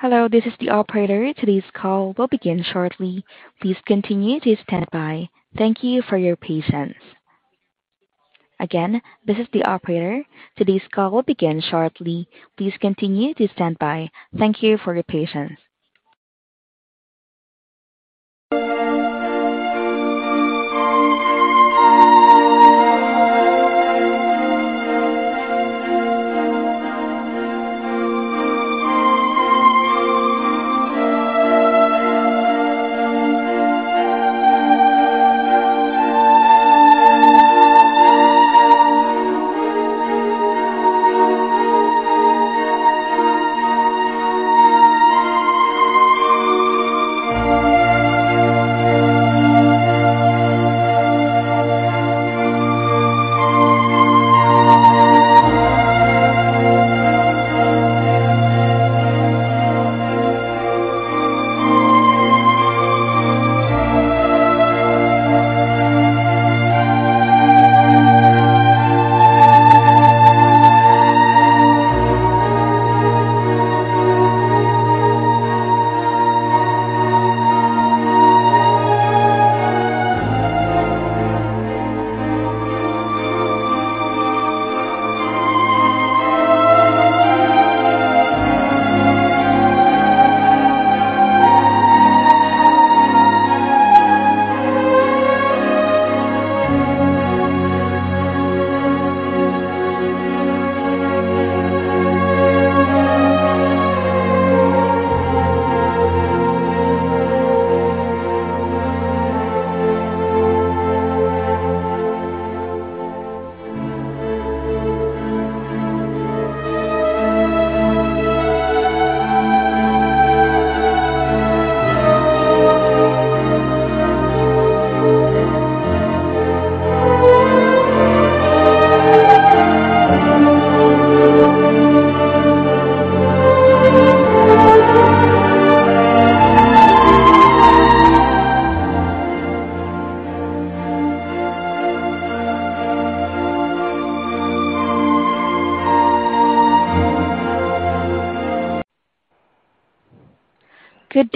Hello, this is the operator. Today's call will begin shortly. Please continue to stand by. Thank you for your patience. Again, this is the operator. Today's call will begin shortly. Please continue to stand by. Thank you for your patience.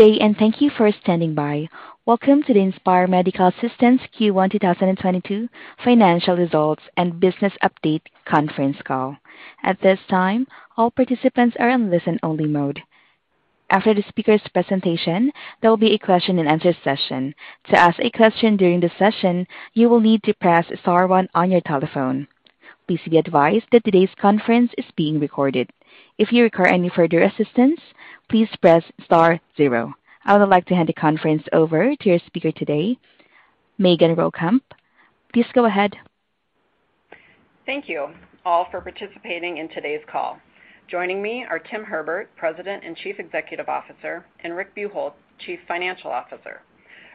Good day, and thank you for standing by. Welcome to the Inspire Medical Systems Q1 2022 financial results and business update conference call. At this time, all participants are in listen-only mode. After the speaker's presentation, there'll be a question and answer session. To ask a question during the session, you will need to press star one on your telephone. Please be advised that today's conference is being recorded. If you require any further assistance, please press star zero. I would like to hand the conference over to your speaker today, Ezgi Yagci. Please go ahead. Thank you all for participating in today's call. Joining me are Tim Herbert, President and Chief Executive Officer, and Rick Buchholz, Chief Financial Officer.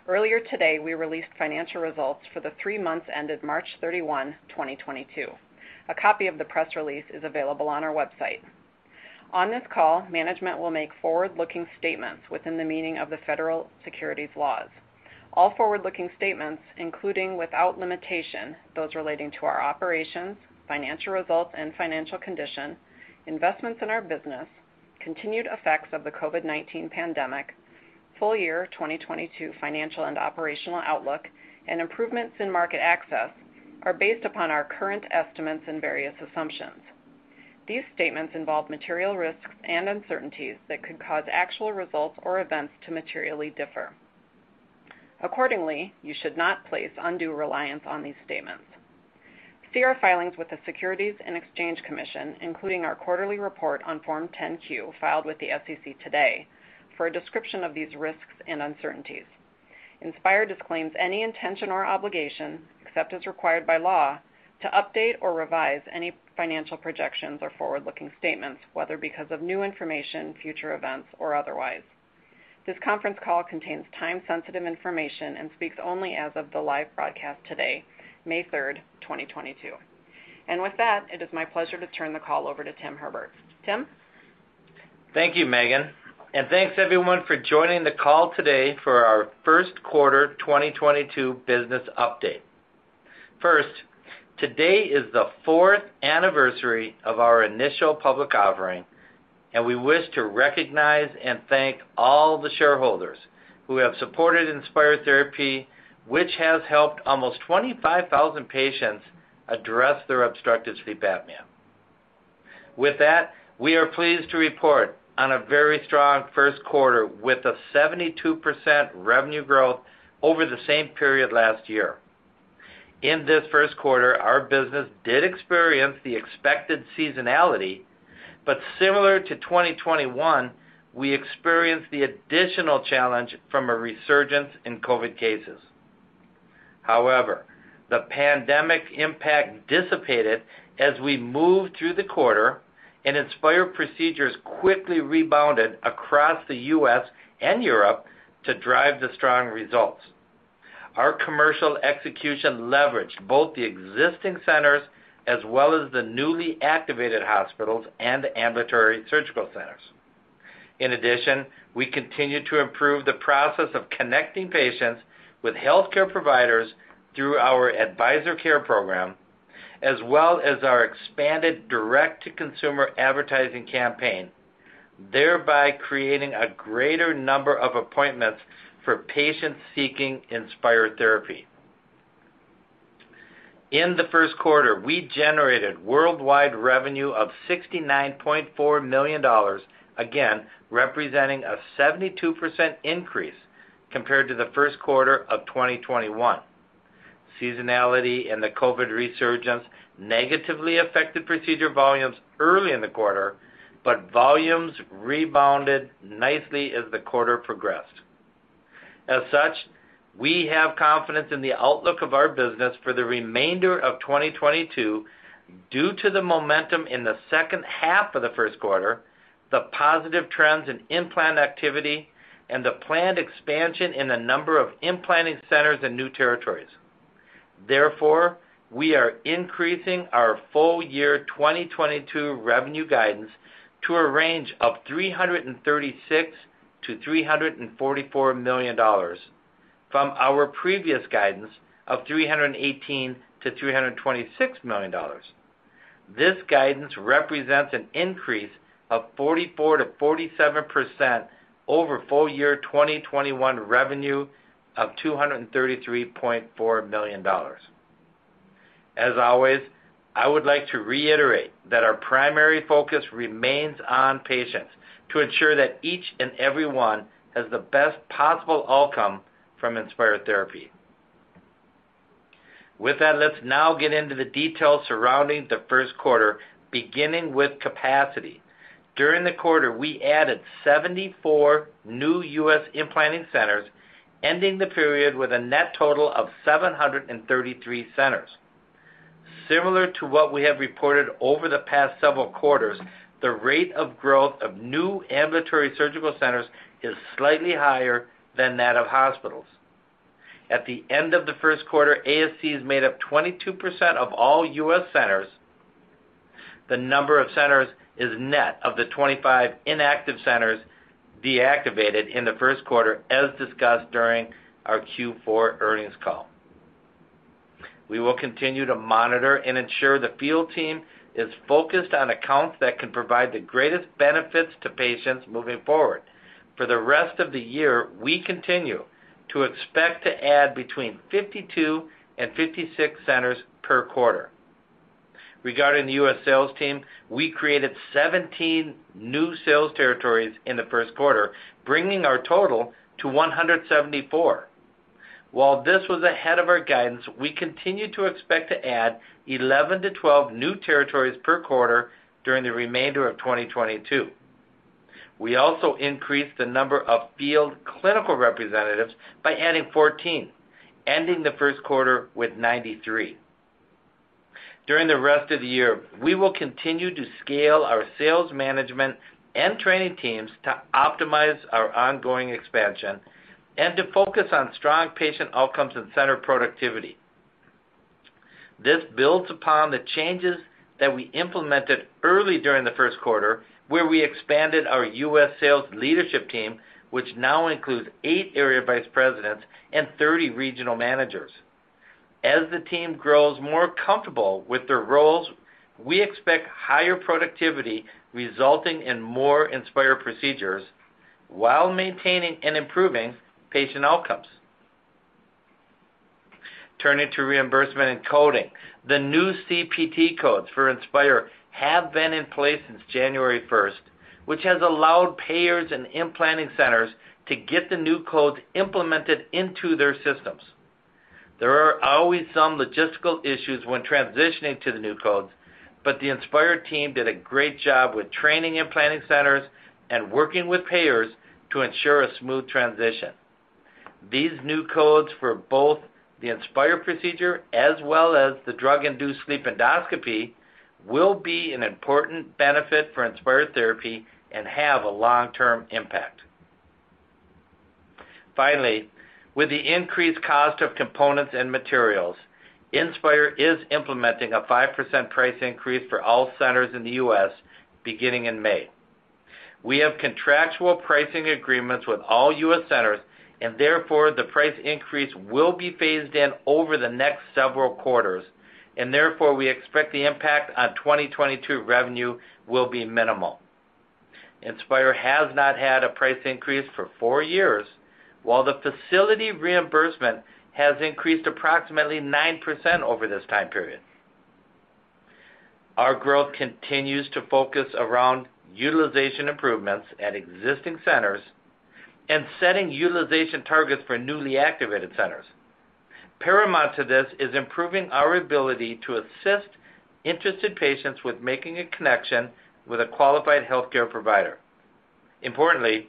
Earlier today, we released financial results for the three months ended March 31, 2022. A copy of the press release is available on our website. On this call, management will make forward-looking statements within the meaning of the federal securities laws. All forward-looking statements, including without limitation, those relating to our operations, financial results and financial condition, investments in our business, continued effects of the COVID-19 pandemic, full year 2022 financial and operational outlook, and improvements in market access are based upon our current estimates and various assumptions. These statements involve material risks and uncertainties that could cause actual results or events to materially differ. Accordingly, you should not place undue reliance on these statements. See our filings with the Securities and Exchange Commission, including our quarterly report on Form 10-Q, filed with the SEC today for a description of these risks and uncertainties. Inspire disclaims any intention or obligation, except as required by law, to update or revise any financial projections or forward-looking statements, whether because of new information, future events or otherwise. This conference call contains time sensitive information and speaks only as of the live broadcast today, May third, twenty twenty-two. With that, it is my pleasure to turn the call over to Tim Herbert. Tim. Thank you, Ezgi, and thanks everyone for joining the call today for our first quarter 2022 business update. First, today is the fourth anniversary of our initial public offering, and we wish to recognize and thank all the shareholders who have supported Inspire therapy, which has helped almost 25,000 patients address their obstructive sleep apnea. With that, we are pleased to report on a very strong first quarter with a 72% revenue growth over the same period last year. In this first quarter, our business did experience the expected seasonality, but similar to 2021, we experienced the additional challenge from a resurgence in COVID cases. However, the pandemic impact dissipated as we moved through the quarter and Inspire procedures quickly rebounded across the U.S. and Europe to drive the strong results. Our commercial execution leveraged both the existing centers as well as the newly activated hospitals and ambulatory surgical centers. In addition, we continued to improve the process of connecting patients with healthcare providers through our Advisor Care Program, as well as our expanded direct-to-consumer advertising campaign, thereby creating a greater number of appointments for patients seeking Inspire therapy. In the first quarter, we generated worldwide revenue of $69.4 million, again, representing a 72% increase compared to the first quarter of 2021. Seasonality and the COVID resurgence negatively affected procedure volumes early in the quarter, but volumes rebounded nicely as the quarter progressed. As such, we have confidence in the outlook of our business for the remainder of 2022 due to the momentum in the second half of the first quarter, the positive trends in implant activity, and the planned expansion in the number of implanting centers in new territories. Therefore, we are increasing our full year 2022 revenue guidance to a range of $336 million-$344 million from our previous guidance of $318 million-$326 million. This guidance represents an increase of 44%-47% over full year 2021 revenue of $233.4 million. As always, I would like to reiterate that our primary focus remains on patients to ensure that each and every one has the best possible outcome from Inspire therapy. With that, let's now get into the details surrounding the first quarter, beginning with capacity. During the quarter, we added 74 new U.S. implanting centers, ending the period with a net total of 733 centers. Similar to what we have reported over the past several quarters, the rate of growth of new ambulatory surgical centers is slightly higher than that of hospitals. At the end of the first quarter, ASCs made up 22% of all U.S. centers. The number of centers is net of the 25 inactive centers deactivated in the first quarter, as discussed during our Q4 earnings call. We will continue to monitor and ensure the field team is focused on accounts that can provide the greatest benefits to patients moving forward. For the rest of the year, we continue to expect to add between 52 and 56 centers per quarter. Regarding the U.S. sales team, we created 17 new sales territories in the first quarter, bringing our total to 174. While this was ahead of our guidance, we continue to expect to add 11-12 new territories per quarter during the remainder of 2022. We also increased the number of field clinical representatives by adding 14, ending the first quarter with 93. During the rest of the year, we will continue to scale our sales management and training teams to optimize our ongoing expansion and to focus on strong patient outcomes and center productivity. This builds upon the changes that we implemented early during the first quarter, where we expanded our U.S. sales leadership team, which now includes eight area vice presidents and 30 regional managers. As the team grows more comfortable with their roles, we expect higher productivity resulting in more Inspire procedures while maintaining and improving patient outcomes. Turning to reimbursement and coding, the new CPT codes for Inspire have been in place since January 1, which has allowed payers and implanting centers to get the new codes implemented into their systems. There are always some logistical issues when transitioning to the new codes, but the Inspire team did a great job with training implanting centers and working with payers to ensure a smooth transition. These new codes for both the Inspire procedure as well as the drug-induced sleep endoscopy will be an important benefit for Inspire therapy and have a long-term impact. Finally, with the increased cost of components and materials, Inspire is implementing a 5% price increase for all centers in the U.S. beginning in May. We have contractual pricing agreements with all U.S. centers, and therefore, the price increase will be phased in over the next several quarters, and therefore, we expect the impact on 2022 revenue will be minimal. Inspire has not had a price increase for four years, while the facility reimbursement has increased approximately 9% over this time period. Our growth continues to focus around utilization improvements at existing centers and setting utilization targets for newly activated centers. Paramount to this is improving our ability to assist interested patients with making a connection with a qualified healthcare provider. Importantly,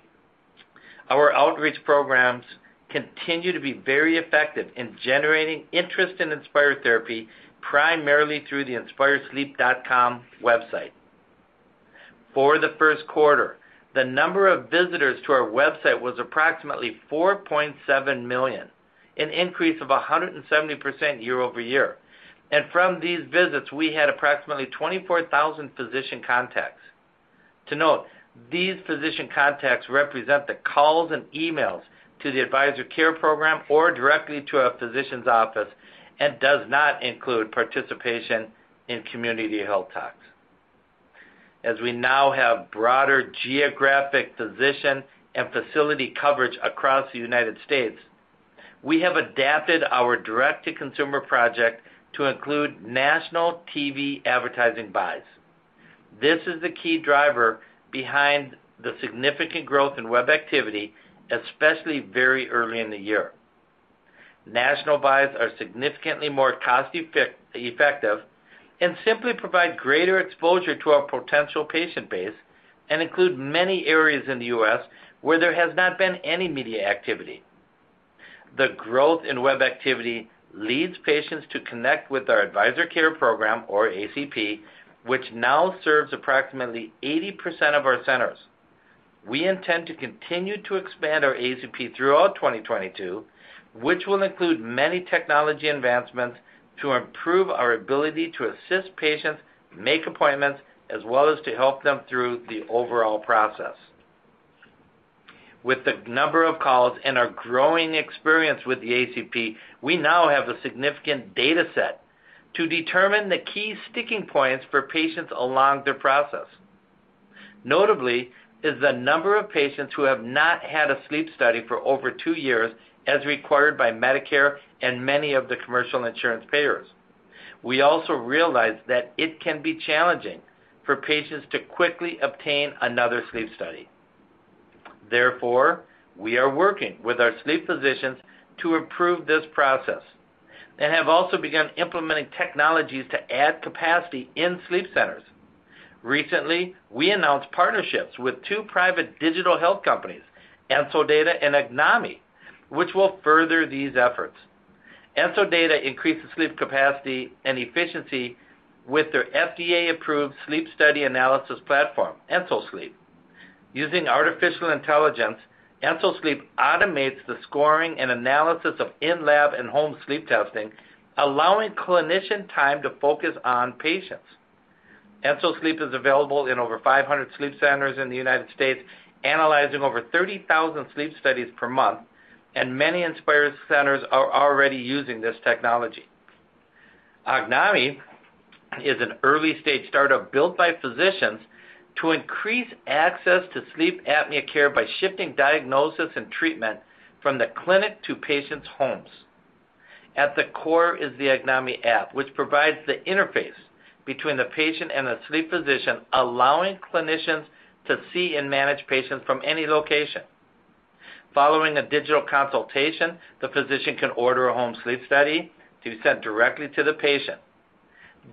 our outreach programs continue to be very effective in generating interest in Inspire therapy primarily through the InspireSleep.com website. For the first quarter, the number of visitors to our website was approximately 4.7 million, an increase of 170% year-over-year. From these visits, we had approximately 24,000 physician contacts. To note, these physician contacts represent the calls and emails to the Advisor Care Program or directly to a physician's office and does not include participation in community health talks. As we now have broader geographic physician and facility coverage across the United States, we have adapted our direct-to-consumer project to include national TV advertising buys. This is the key driver behind the significant growth in web activity, especially very early in the year. National buys are significantly more cost-effective and simply provide greater exposure to our potential patient base and include many areas in the U.S. where there has not been any media activity. The growth in web activity leads patients to connect with our Advisor Care Program or ACP, which now serves approximately 80% of our centers. We intend to continue to expand our ACP throughout 2022, which will include many technology advancements to improve our ability to assist patients make appointments as well as to help them through the overall process. With the number of calls and our growing experience with the ACP, we now have a significant data set to determine the key sticking points for patients along their process. Notably is the number of patients who have not had a sleep study for over two years as required by Medicare and many of the commercial insurance payers. We also realize that it can be challenging for patients to quickly obtain another sleep study. Therefore, we are working with our sleep physicians to improve this process and have also begun implementing technologies to add capacity in sleep centers. Recently, we announced partnerships with two private digital health companies, EnsoData and Ognomy, which will further these efforts. EnsoData increases sleep capacity and efficiency with their FDA-approved sleep study analysis platform, EnsoSleep. Using artificial intelligence, EnsoSleep automates the scoring and analysis of in-lab and home sleep testing, allowing clinician time to focus on patients. EnsoSleep is available in over 500 sleep centers in the United States, analyzing over 30,000 sleep studies per month, and many Inspire centers are already using this technology. Ognomy is an early-stage startup built by physicians to increase access to sleep apnea care by shifting diagnosis and treatment from the clinic to patients' homes. At the core is the Ognomy app, which provides the interface between the patient and the sleep physician, allowing clinicians to see and manage patients from any location. Following a digital consultation, the physician can order a home sleep study to be sent directly to the patient.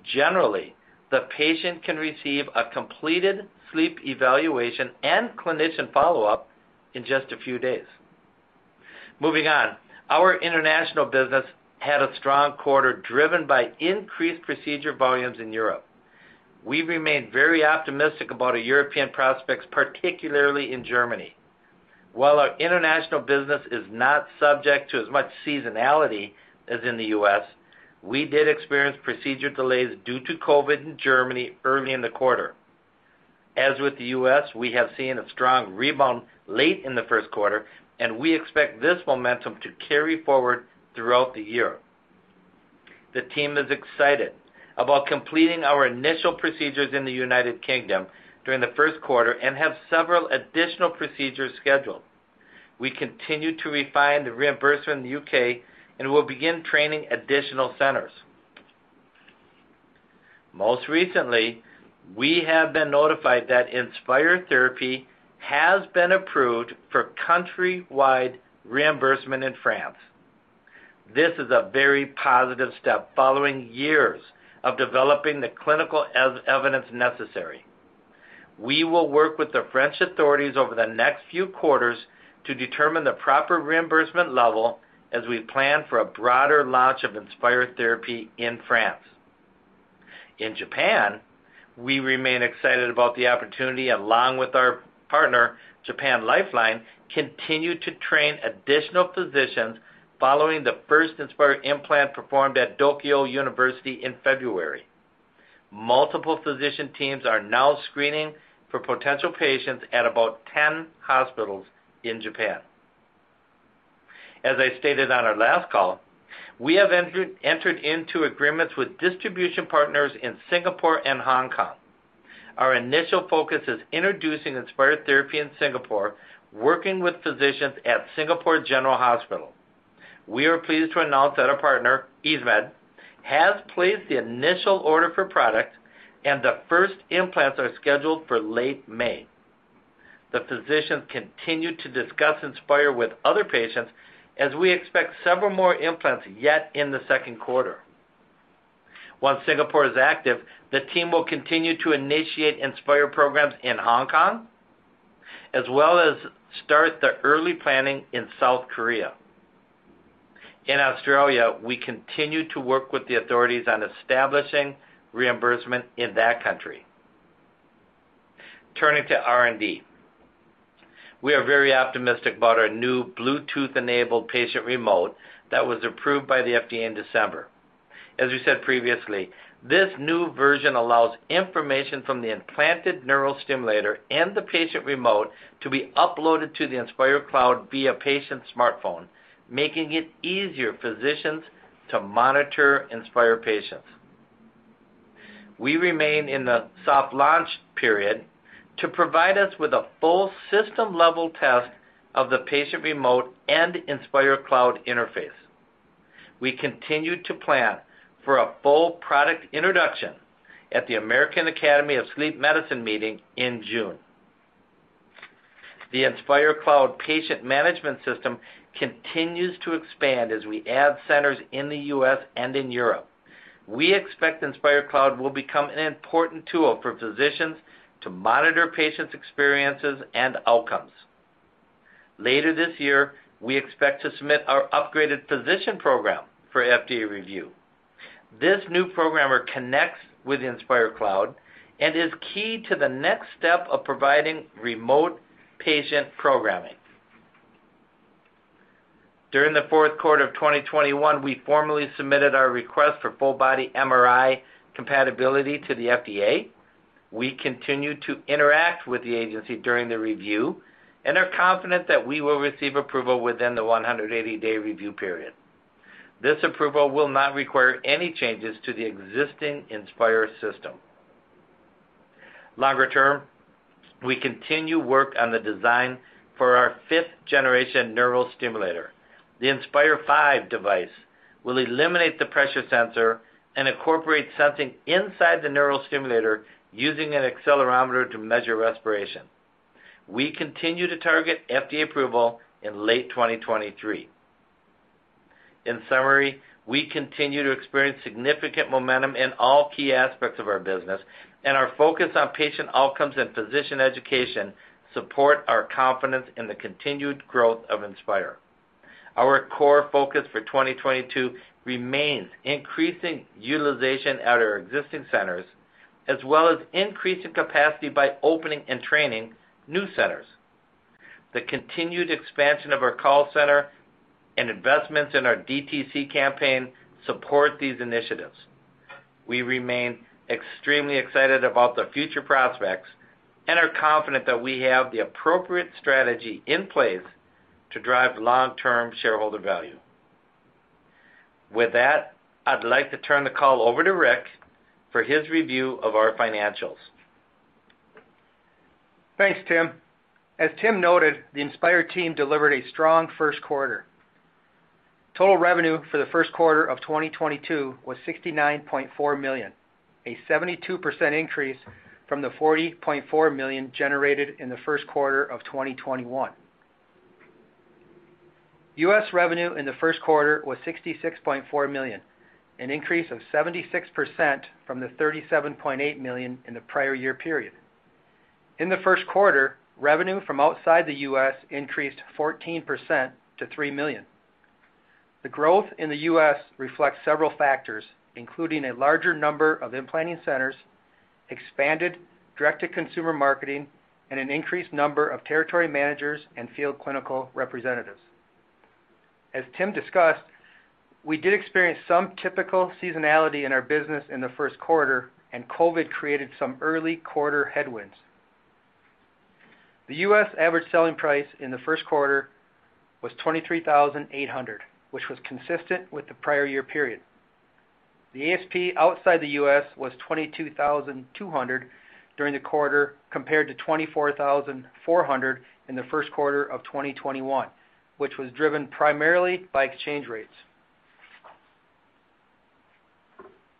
Generally, the patient can receive a completed sleep evaluation and clinician follow-up in just a few days. Moving on. Our international business had a strong quarter, driven by increased procedure volumes in Europe. We remain very optimistic about our European prospects, particularly in Germany. While our international business is not subject to as much seasonality as in the U.S., we did experience procedure delays due to COVID in Germany early in the quarter. As with the U.S., we have seen a strong rebound late in the first quarter, and we expect this momentum to carry forward throughout the year. The team is excited about completing our initial procedures in the United Kingdom during the first quarter and have several additional procedures scheduled. We continue to refine the reimbursement in the UK and will begin training additional centers. Most recently, we have been notified that Inspire therapy has been approved for countrywide reimbursement in France. This is a very positive step following years of developing the clinical evidence necessary. We will work with the French authorities over the next few quarters to determine the proper reimbursement level as we plan for a broader launch of Inspire therapy in France. In Japan, we remain excited about the opportunity, along with our partner, Japan Lifeline, continue to train additional physicians following the first Inspire implant performed at Tokai University in February. Multiple physician teams are now screening for potential patients at about 10 hospitals in Japan. As I stated on our last call, we have entered into agreements with distribution partners in Singapore and Hong Kong. Our initial focus is introducing Inspire therapy in Singapore, working with physicians at Singapore General Hospital. We are pleased to announce that our partner, EASmed, has placed the initial order for product, and the first implants are scheduled for late May. The physicians continue to discuss Inspire with other patients as we expect several more implants yet in the second quarter. Once Singapore is active, the team will continue to initiate Inspire programs in Hong Kong, as well as start the early planning in South Korea. In Australia, we continue to work with the authorities on establishing reimbursement in that country. Turning to R&D. We are very optimistic about our new Bluetooth-enabled patient remote that was approved by the FDA in December. As we said previously, this new version allows information from the implanted neural stimulator and the patient remote to be uploaded to the Inspire Cloud via patient smartphone, making it easier for physicians to monitor Inspire patients. We remain in the soft launch period to provide us with a full system-level test of the patient remote and Inspire Cloud interface. We continue to plan for a full product introduction at the American Academy of Sleep Medicine meeting in June. The Inspire Cloud patient management system continues to expand as we add centers in the U.S. and in Europe. We expect Inspire Cloud will become an important tool for physicians to monitor patients' experiences and outcomes. Later this year, we expect to submit our upgraded physician program for FDA review. This new programmer connects with Inspire Cloud and is key to the next step of providing remote patient programming. During the fourth quarter of 2021, we formally submitted our request for full-body MRI compatibility to the FDA. We continue to interact with the agency during the review and are confident that we will receive approval within the 180-day review period. This approval will not require any changes to the existing Inspire system. Longer term, we continue work on the design for our fifth generation neural stimulator. The Inspire Five device will eliminate the pressure sensor and incorporate something inside the neural stimulator using an accelerometer to measure respiration. We continue to target FDA approval in late 2023. In summary, we continue to experience significant momentum in all key aspects of our business, and our focus on patient outcomes and physician education support our confidence in the continued growth of Inspire. Our core focus for 2022 remains increasing utilization at our existing centers, as well as increasing capacity by opening and training new centers. The continued expansion of our call center and investments in our DTC campaign support these initiatives. We remain extremely excited about the future prospects and are confident that we have the appropriate strategy in place to drive long-term shareholder value. With that, I'd like to turn the call over to Rick for his review of our financials. Thanks, Tim. As Tim noted, the Inspire team delivered a strong first quarter. Total revenue for the first quarter of 2022 was 69.4 million, a 72% increase from the 40.4 million generated in the first quarter of 2021. U.S. revenue in the first quarter was 66.4 million, an increase of 76% from the 37.8 million in the prior year period. In the first quarter, revenue from outside the U.S. increased 14% to 3 million. The growth in the U.S. reflects several factors, including a larger number of implanting centers, expanded direct-to-consumer marketing, and an increased number of territory managers and field clinical representatives. As Tim discussed, we did experience some typical seasonality in our business in the first quarter, and COVID created some early quarter headwinds. The U.S. average selling price in the first quarter was 23,800, which was consistent with the prior year period. The ASP outside the U.S. was 22,200 during the quarter compared to 24,400 in the first quarter of 2021, which was driven primarily by exchange rates.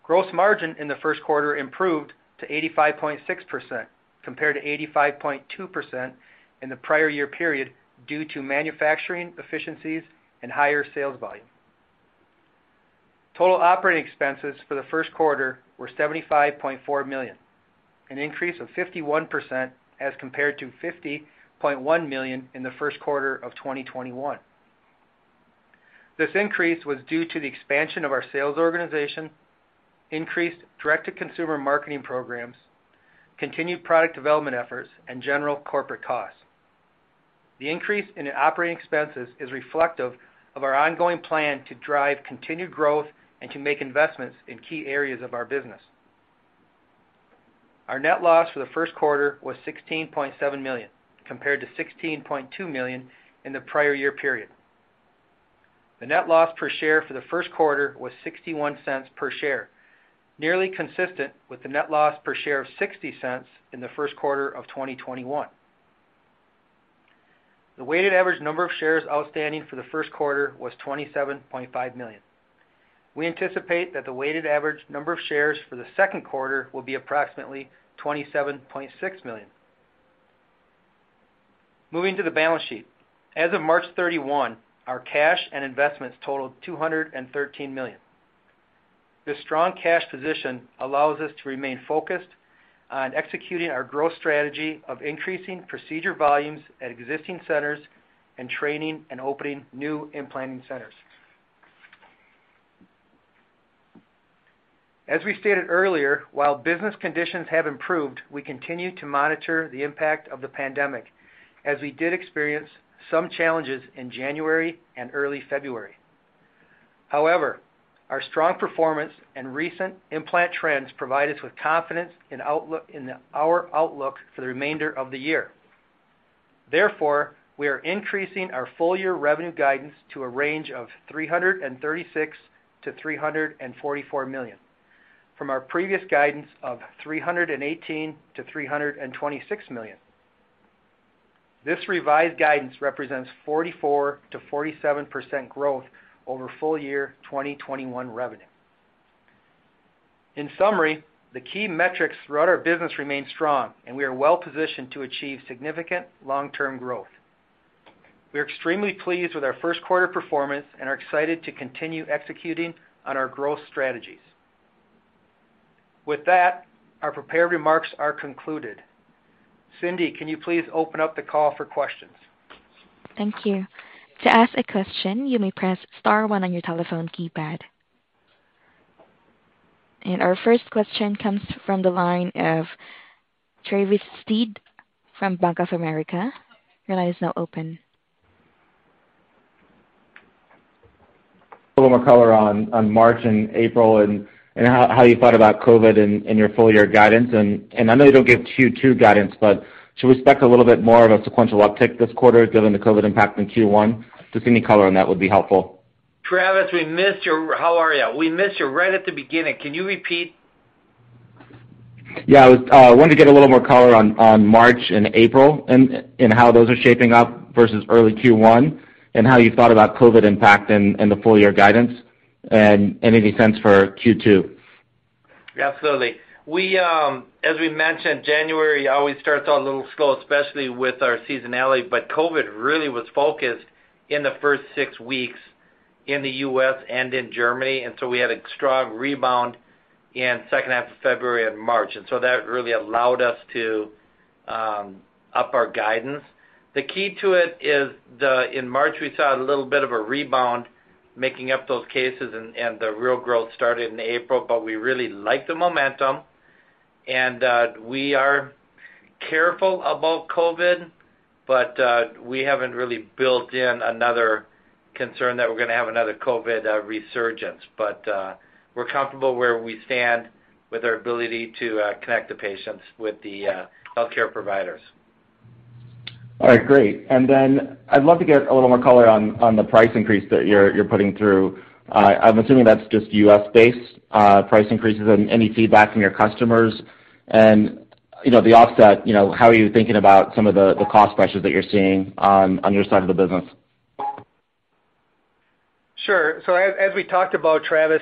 Gross margin in the first quarter improved to 85.6% compared to 85.2% in the prior year period due to manufacturing efficiencies and higher sales volume. Total operating expenses for the first quarter were 75.4 million, an increase of 51% as compared to 50.1 million in the first quarter of 2021. This increase was due to the expansion of our sales organization, increased direct-to-consumer marketing programs, continued product development efforts, and general corporate costs. The increase in operating expenses is reflective of our ongoing plan to drive continued growth and to make investments in key areas of our business. Our net loss for the first quarter was 16.7 million compared to 16.2 million in the prior year period. The net loss per share for the first quarter was 0.61 per share, nearly consistent with the net loss per share of $0.60 in the first quarter of 2021. The weighted average number of shares outstanding for the first quarter was 27.5 million. We anticipate that the weighted average number of shares for the second quarter will be approximately 27.6 million. Moving to the balance sheet. As of March 31, our cash and investments totaled 213 million. This strong cash position allows us to remain focused on executing our growth strategy of increasing procedure volumes at existing centers and training and opening new implanting centers. As we stated earlier, while business conditions have improved, we continue to monitor the impact of the pandemic as we did experience some challenges in January and early February. However, our strong performance and recent implant trends provide us with confidence in our outlook for the remainder of the year. Therefore, we are increasing our full year revenue guidance to a range of 336 million-344 million from our previous guidance of 318 million-326 million. This revised guidance represents 44%-47% growth over full year 2021 revenue. In summary, the key metrics throughout our business remain strong, and we are well positioned to achieve significant long-term growth. We are extremely pleased with our first quarter performance and are excited to continue executing on our growth strategies. With that, our prepared remarks are concluded. Cindy, can you please open up the call for questions? Thank you. To ask a question, you may press star one on your telephone keypad. Our first question comes from the line of Travis Steed from Bank of America. Your line is now open. A little more color on March and April and how you thought about COVID in your full year guidance. I know you don't give Q2 guidance, but should we expect a little bit more of a sequential uptick this quarter given the COVID impact in Q1? Just any color on that would be helpful. Travis, we missed you. How are you? We missed you right at the beginning. Can you repeat? Yeah, I was wanting to get a little more color on March and April and how those are shaping up versus early Q1, and how you thought about COVID impact in the full year guidance, and any sense for Q2. Yeah, absolutely. We, as we mentioned, January always starts out a little slow, especially with our seasonality, but COVID really was focused in the first six weeks in the U.S. and in Germany, and so we had a strong rebound in second half of February and March. That really allowed us to up our guidance. The key to it is, in March, we saw a little bit of a rebound making up those cases and the real growth started in April, but we really like the momentum. We are careful about COVID, but we haven't really built in another concern that we're gonna have another COVID resurgence. We're comfortable where we stand with our ability to connect the patients with the healthcare providers. All right, great. I'd love to get a little more color on the price increase that you're putting through. I'm assuming that's just U.S.-based price increases and any feedback from your customers and, you know, the offset, you know, how are you thinking about some of the cost pressures that you're seeing on your side of the business? Sure. As we talked about, Travis,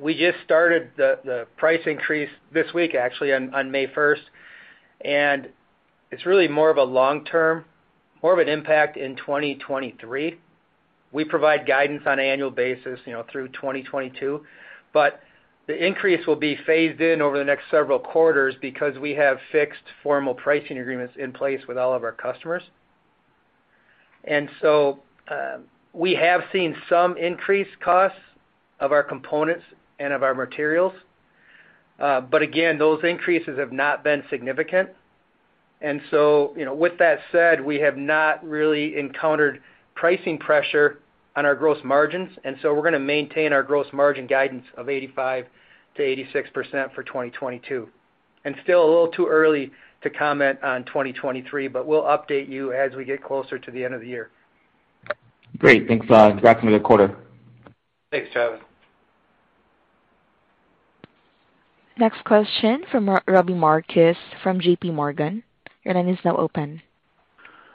we just started the price increase this week, actually, on May first, and it's really more of a long-term, more of an impact in 2023. We provide guidance on annual basis, you know, through 2022, but the increase will be phased in over the next several quarters because we have fixed formal pricing agreements in place with all of our customers. We have seen some increased costs of our components and of our materials, but again, those increases have not been significant. You know, with that said, we have not really encountered pricing pressure on our gross margins, and so we're gonna maintain our gross margin guidance of 85%-86% for 2022. Still a little too early to comment on 2023, but we'll update you as we get closer to the end of the year. Great. Thanks, congrats on the quarter. Thanks, Travis. Next question from Robbie Marcus from JPMorgan. Your line is now open.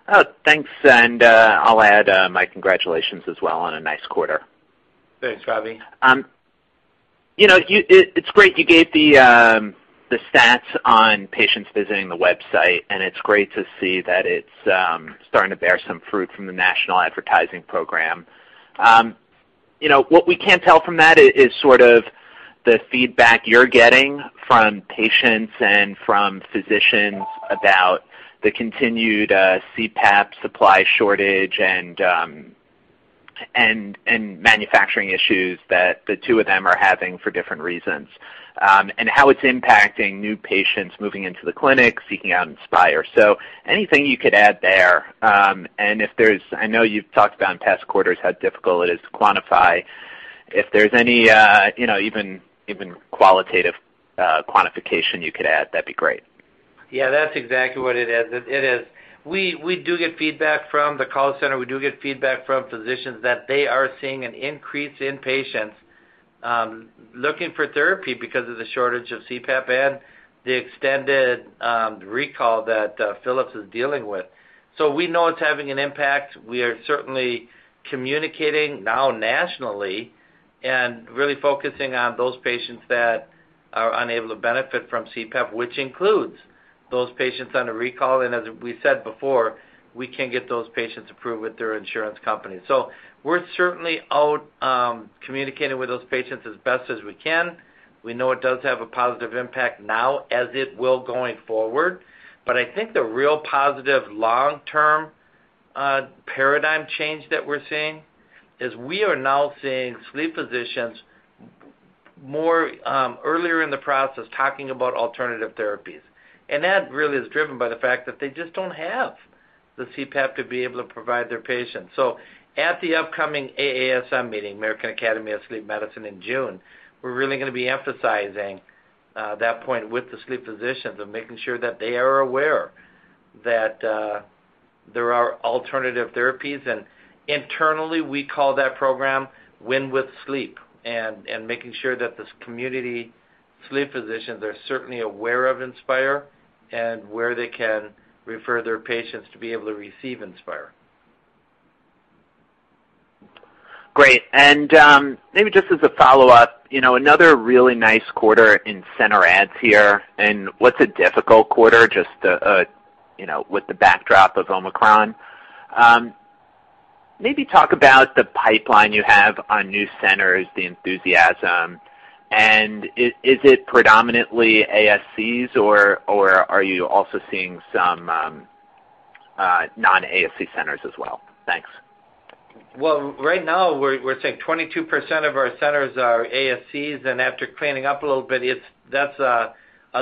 Oh, thanks. I'll add my congratulations as well on a nice quarter. Thanks, Robbie. You know, it’s great you gave the stats on patients visiting the website, and it’s great to see that it’s starting to bear some fruit from the national advertising program. You know, what we can’t tell from that is sort of the feedback you’re getting from patients and from physicians about the continued CPAP supply shortage and manufacturing issues that the two of them are having for different reasons, and how it’s impacting new patients moving into the clinic seeking out Inspire. Anything you could add there, and if there’s, I know you’ve talked about in past quarters how difficult it is to quantify. If there’s any, you know, even qualitative quantification you could add, that’d be great. Yeah, that's exactly what it is. It is. We do get feedback from the call center. We do get feedback from physicians that they are seeing an increase in patients looking for therapy because of the shortage of CPAP and the extended recall that Philips is dealing with. We know it's having an impact. We are certainly communicating now nationally and really focusing on those patients that are unable to benefit from CPAP, which includes those patients under recall. As we said before, we can get those patients approved with their insurance company. We're certainly out communicating with those patients as best as we can. We know it does have a positive impact now as it will going forward. I think the real positive long-term A paradigm change that we're seeing is we are now seeing sleep physicians more, earlier in the process talking about alternative therapies. That really is driven by the fact that they just don't have the CPAP to be able to provide their patients. At the upcoming AASM meeting, American Academy of Sleep Medicine in June, we're really gonna be emphasizing that point with the sleep physicians and making sure that they are aware that there are alternative therapies. Internally, we call that program Win with Sleep and making sure that this community sleep physicians are certainly aware of Inspire and where they can refer their patients to be able to receive Inspire. Great. Maybe just as a follow-up, you know, another really nice quarter in center adds here and what's a difficult quarter, just, you know, with the backdrop of Omicron. Maybe talk about the pipeline you have on new centers, the enthusiasm, and is it predominantly ASCs or are you also seeing some non-ASC centers as well? Thanks. Well, right now we're seeing 22% of our centers are ASCs, and after cleaning up a little bit, that's a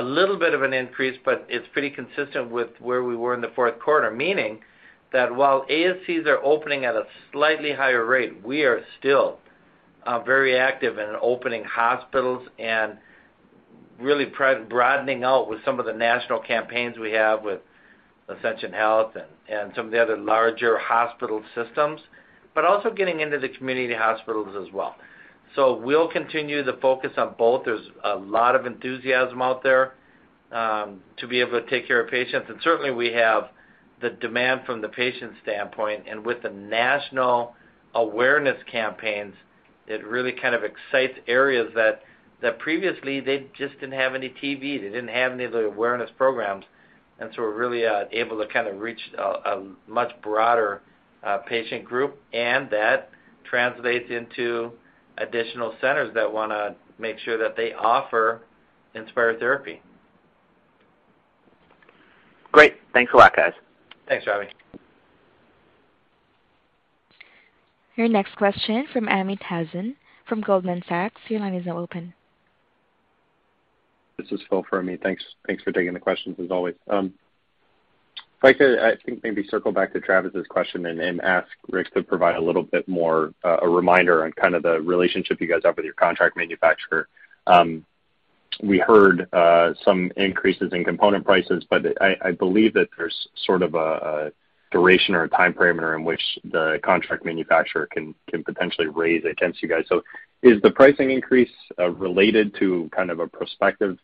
little bit of an increase, but it's pretty consistent with where we were in the fourth quarter. Meaning that while ASCs are opening at a slightly higher rate, we are still very active in opening hospitals and really broadening out with some of the national campaigns we have with Ascension and some of the other larger hospital systems, but also getting into the community hospitals as well. So we'll continue to focus on both. There's a lot of enthusiasm out there to be able to take care of patients. Certainly we have the demand from the patient standpoint. With the national awareness campaigns, it really kind of excites areas that previously they just didn't have any TV, they didn't have any of the awareness programs. We're really able to kind of reach a much broader patient group, and that translates into additional centers that wanna make sure that they offer Inspire therapy. Great. Thanks a lot, guys. Thanks, Robbie. Your next question from Amit Hazan from Goldman Sachs. Your line is now open. This is Phil for Amit. Thanks for taking the questions as always. If I could, I think maybe circle back to Travis's question and ask Rick to provide a little bit more, a reminder on kind of the relationship you guys have with your contract manufacturer. We heard some increases in component prices, but I believe that there's sort of a duration or a time parameter in which the contract manufacturer can potentially raise against you guys. Is the pricing increase related to kind of a prospective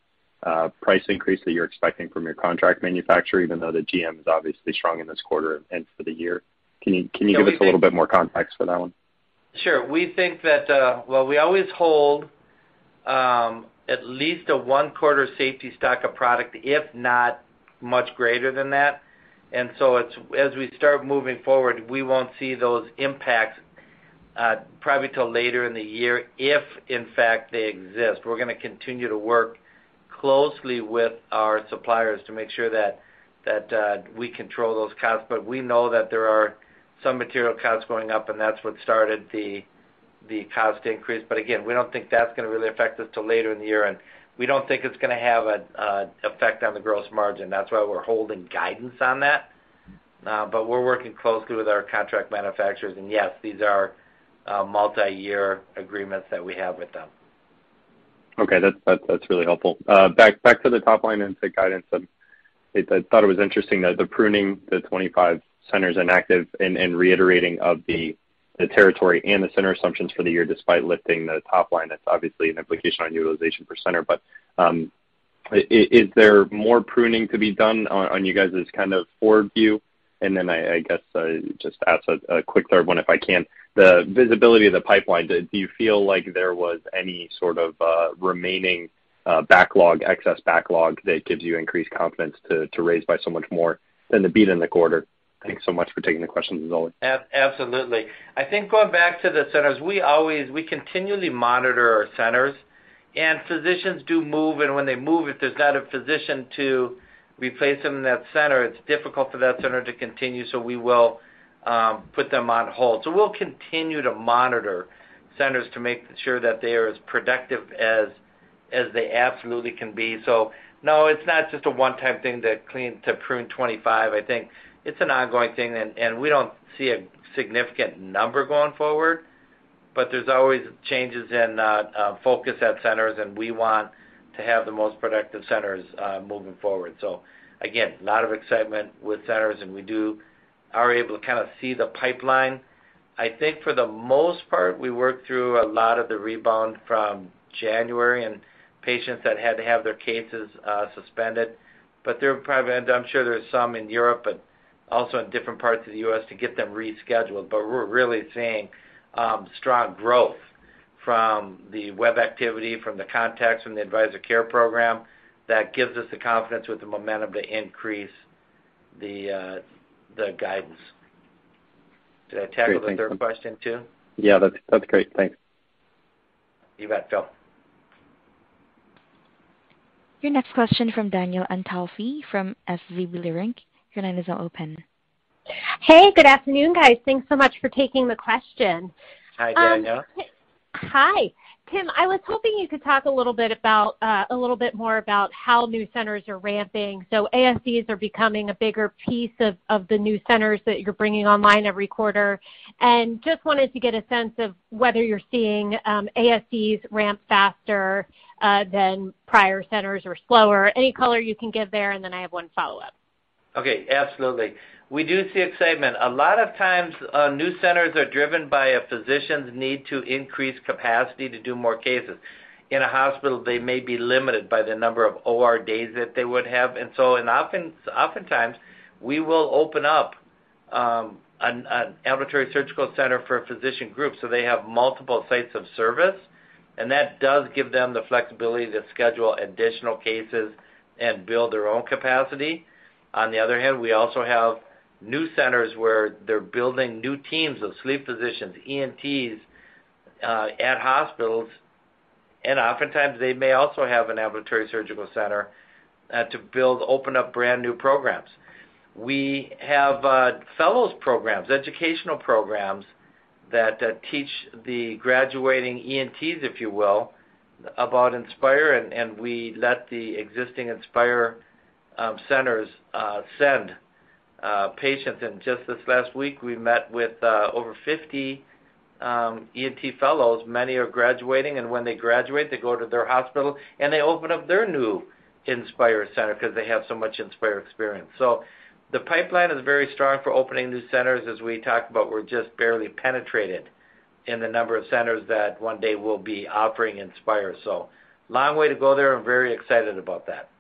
price increase that you're expecting from your contract manufacturer, even though the GM is obviously strong in this quarter and for the year? Can you- Yeah, we think. Can you give us a little bit more context for that one? Sure. We think that. Well, we always hold at least a one-quarter safety stock of product, if not much greater than that. It's as we start moving forward, we won't see those impacts, probably till later in the year, if in fact they exist. We're gonna continue to work closely with our suppliers to make sure that we control those costs. We know that there are some material costs going up, and that's what started the cost increase. We don't think that's gonna really affect us till later in the year, and we don't think it's gonna have a effect on the gross margin. That's why we're holding guidance on that. We're working closely with our contract manufacturers. Yes, these are multiyear agreements that we have with them. Okay. That's really helpful. Back to the top line and to guidance, I thought it was interesting that pruning the 25 centers inactive and reiterating of the territory and the center assumptions for the year despite lifting the top line. That's obviously an implication on utilization for center. Is there more pruning to be done on you guys' kind of forward view? I guess just ask a quick third one if I can. The visibility of the pipeline, do you feel like there was any sort of remaining backlog, excess backlog that gives you increased confidence to raise by so much more than the beat in the quarter? Thanks so much for taking the questions as always. Absolutely. I think going back to the centers, we continually monitor our centers. Physicians do move, and when they move, if there's not a physician to replace them in that center, it's difficult for that center to continue, so we will put them on hold. We'll continue to monitor centers to make sure that they are as productive as they absolutely can be. No, it's not just a one-time thing to prune 25. I think it's an ongoing thing, and we don't see a significant number going forward. There's always changes in focus at centers, and we want to have the most productive centers moving forward. Again, a lot of excitement with centers, and we are able to kind of see the pipeline. I think for the most part, we worked through a lot of the rebound from January and patients that had to have their cases suspended. There are probably and I'm sure there are some in Europe, but also in different parts of the U.S. to get them rescheduled. We're really seeing strong growth from the web activity, from the contacts, from the Advisor Care Program that gives us the confidence with the momentum to increase the guidance. Did I tackle the third question too? Yeah. That's great. Thanks. You bet, Phil. Your next question from Danielle Antalffy from SVB Leerink. Your line is now open. Hey, good afternoon, guys. Thanks so much for taking the question. Hi, Danielle. Hi. Tim, I was hoping you could talk a little bit about a little bit more about how new centers are ramping. ASCs are becoming a bigger piece of the new centers that you're bringing online every quarter. Just wanted to get a sense of whether you're seeing ASCs ramp faster than prior centers or slower. Any color you can give there, and then I have one follow-up. Okay, absolutely. We do see excitement. A lot of times, new centers are driven by a physician's need to increase capacity to do more cases. In a hospital, they may be limited by the number of OR days that they would have. Oftentimes, we will open up an ambulatory surgical center for a physician group, so they have multiple sites of service. That does give them the flexibility to schedule additional cases and build their own capacity. On the other hand, we also have new centers where they're building new teams of sleep physicians, ENTs at hospitals, and oftentimes they may also have an ambulatory surgical center to open up brand-new programs. We have fellows programs, educational programs that teach the graduating ENTs, if you will, about Inspire, and we let the existing Inspire centers send patients. Just this last week, we met with over 50 ENT fellows. Many are graduating, and when they graduate, they go to their hospital, and they open up their new Inspire center because they have so much Inspire experience. The pipeline is very strong for opening new centers. As we talked about, we're just barely penetrated in the number of centers that one day we'll be offering Inspire. Long way to go there. I'm very excited about that.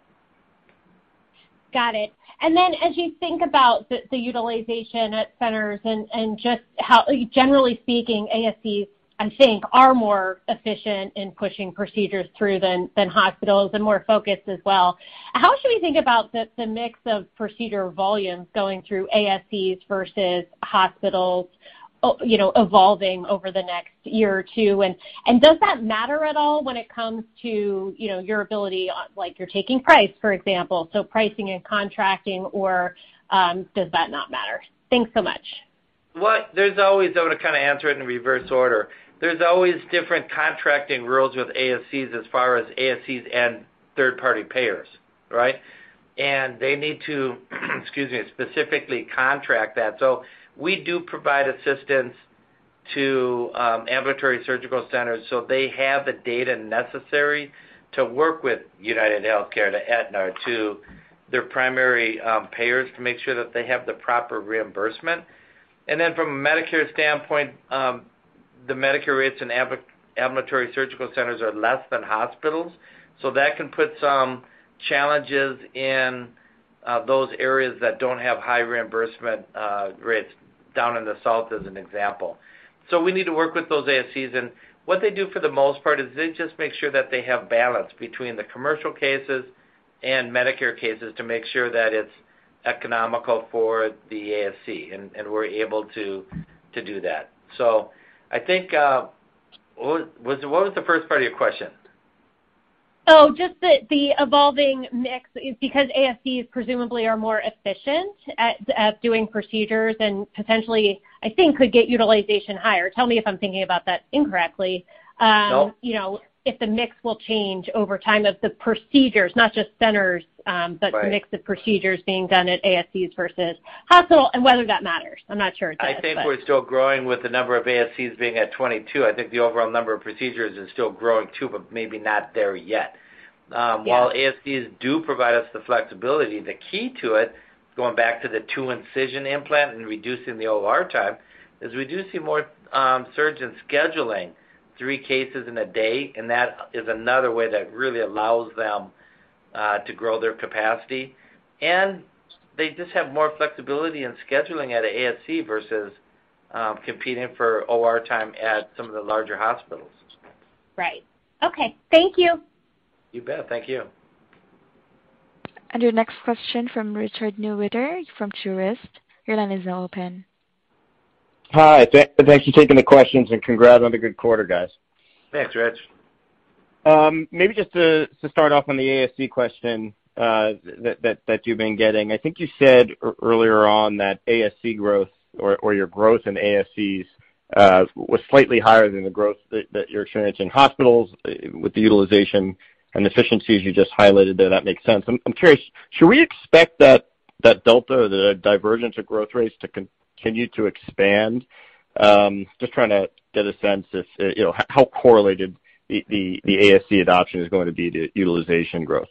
Got it. Then as you think about the utilization at centers and just how, generally speaking, ASCs, I think are more efficient in pushing procedures through than hospitals and more focused as well. How should we think about the mix of procedure volumes going through ASCs versus hospitals, you know, evolving over the next year or two? Does that matter at all when it comes to, you know, your ability on like you're taking price, for example, so pricing and contracting or, does that not matter? Thanks so much. Well, there's always different contracting rules with ASCs as far as ASCs and third-party payers, right? They need to, excuse me, specifically contract that. We do provide assistance to ambulatory surgical centers, so they have the data necessary to work with UnitedHealthcare, to Aetna, to their primary payers to make sure that they have the proper reimbursement. Then from a Medicare standpoint, the Medicare rates in ambulatory surgical centers are less than hospitals. That can put some challenges in those areas that don't have high reimbursement rates down in the South as an example. We need to work with those ASCs. What they do for the most part is they just make sure that they have balance between the commercial cases and Medicare cases to make sure that it's economical for the ASC, and we're able to do that. I think, what was the first part of your question? Just the evolving mix because ASCs presumably are more efficient at doing procedures and potentially I think could get utilization higher. Tell me if I'm thinking about that incorrectly. No. You know, if the mix will change over time of the procedures, not just centers. Right. Mix of procedures being done at ASCs versus hospital and whether that matters. I'm not sure it does, but. I think we're still growing with the number of ASCs being at 22. I think the overall number of procedures is still growing too, but maybe not there yet. Yeah. While ASCs do provide us the flexibility, the key to it, going back to the two-incision implant and reducing the OR time, is we do see more surgeons scheduling three cases in a day, and that is another way that really allows them to grow their capacity. They just have more flexibility in scheduling at ASC versus competing for OR time at some of the larger hospitals. Right. Okay. Thank you. You bet. Thank you. Your next question from Richard Newth from Truist. Your line is now open. Hi. Thank you for taking the questions, and congrats on the good quarter, guys. Thanks, Rich. Maybe just to start off on the ASC question that you've been getting. I think you said earlier on that ASC growth or your growth in ASCs was slightly higher than the growth that you're experiencing in hospitals with the utilization and efficiencies you just highlighted there. That makes sense. I'm curious, should we expect that delta or the divergence of growth rates to continue to expand? Just trying to get a sense if you know how correlated the ASC adoption is going to be to utilization growth.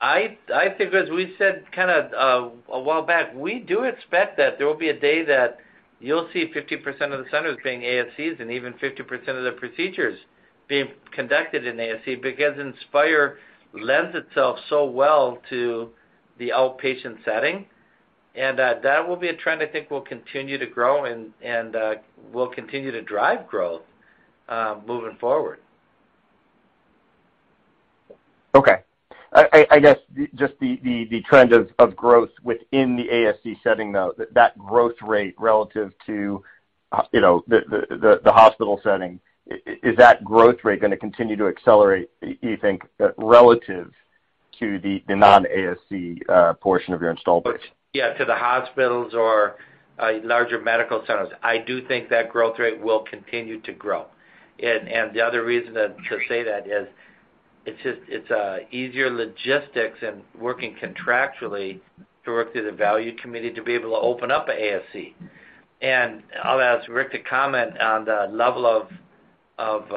I think as we said kind of a while back, we do expect that there will be a day that you'll see 50% of the centers being ASCs and even 50% of the procedures being conducted in ASC because Inspire lends itself so well to the outpatient setting. That will be a trend I think will continue to grow and will continue to drive growth moving forward. Okay. I guess just the trend of growth within the ASC setting though, that growth rate relative to, you know, the hospital setting, is that growth rate gonna continue to accelerate, you think, relative to the non-ASC portion of your install base? Yeah, to the hospitals or larger medical centers. I do think that growth rate will continue to grow. The other reason to say that is it's just easier logistics and working contractually to work through the value committee to be able to open up an ASC. I'll ask Rick to comment on the level of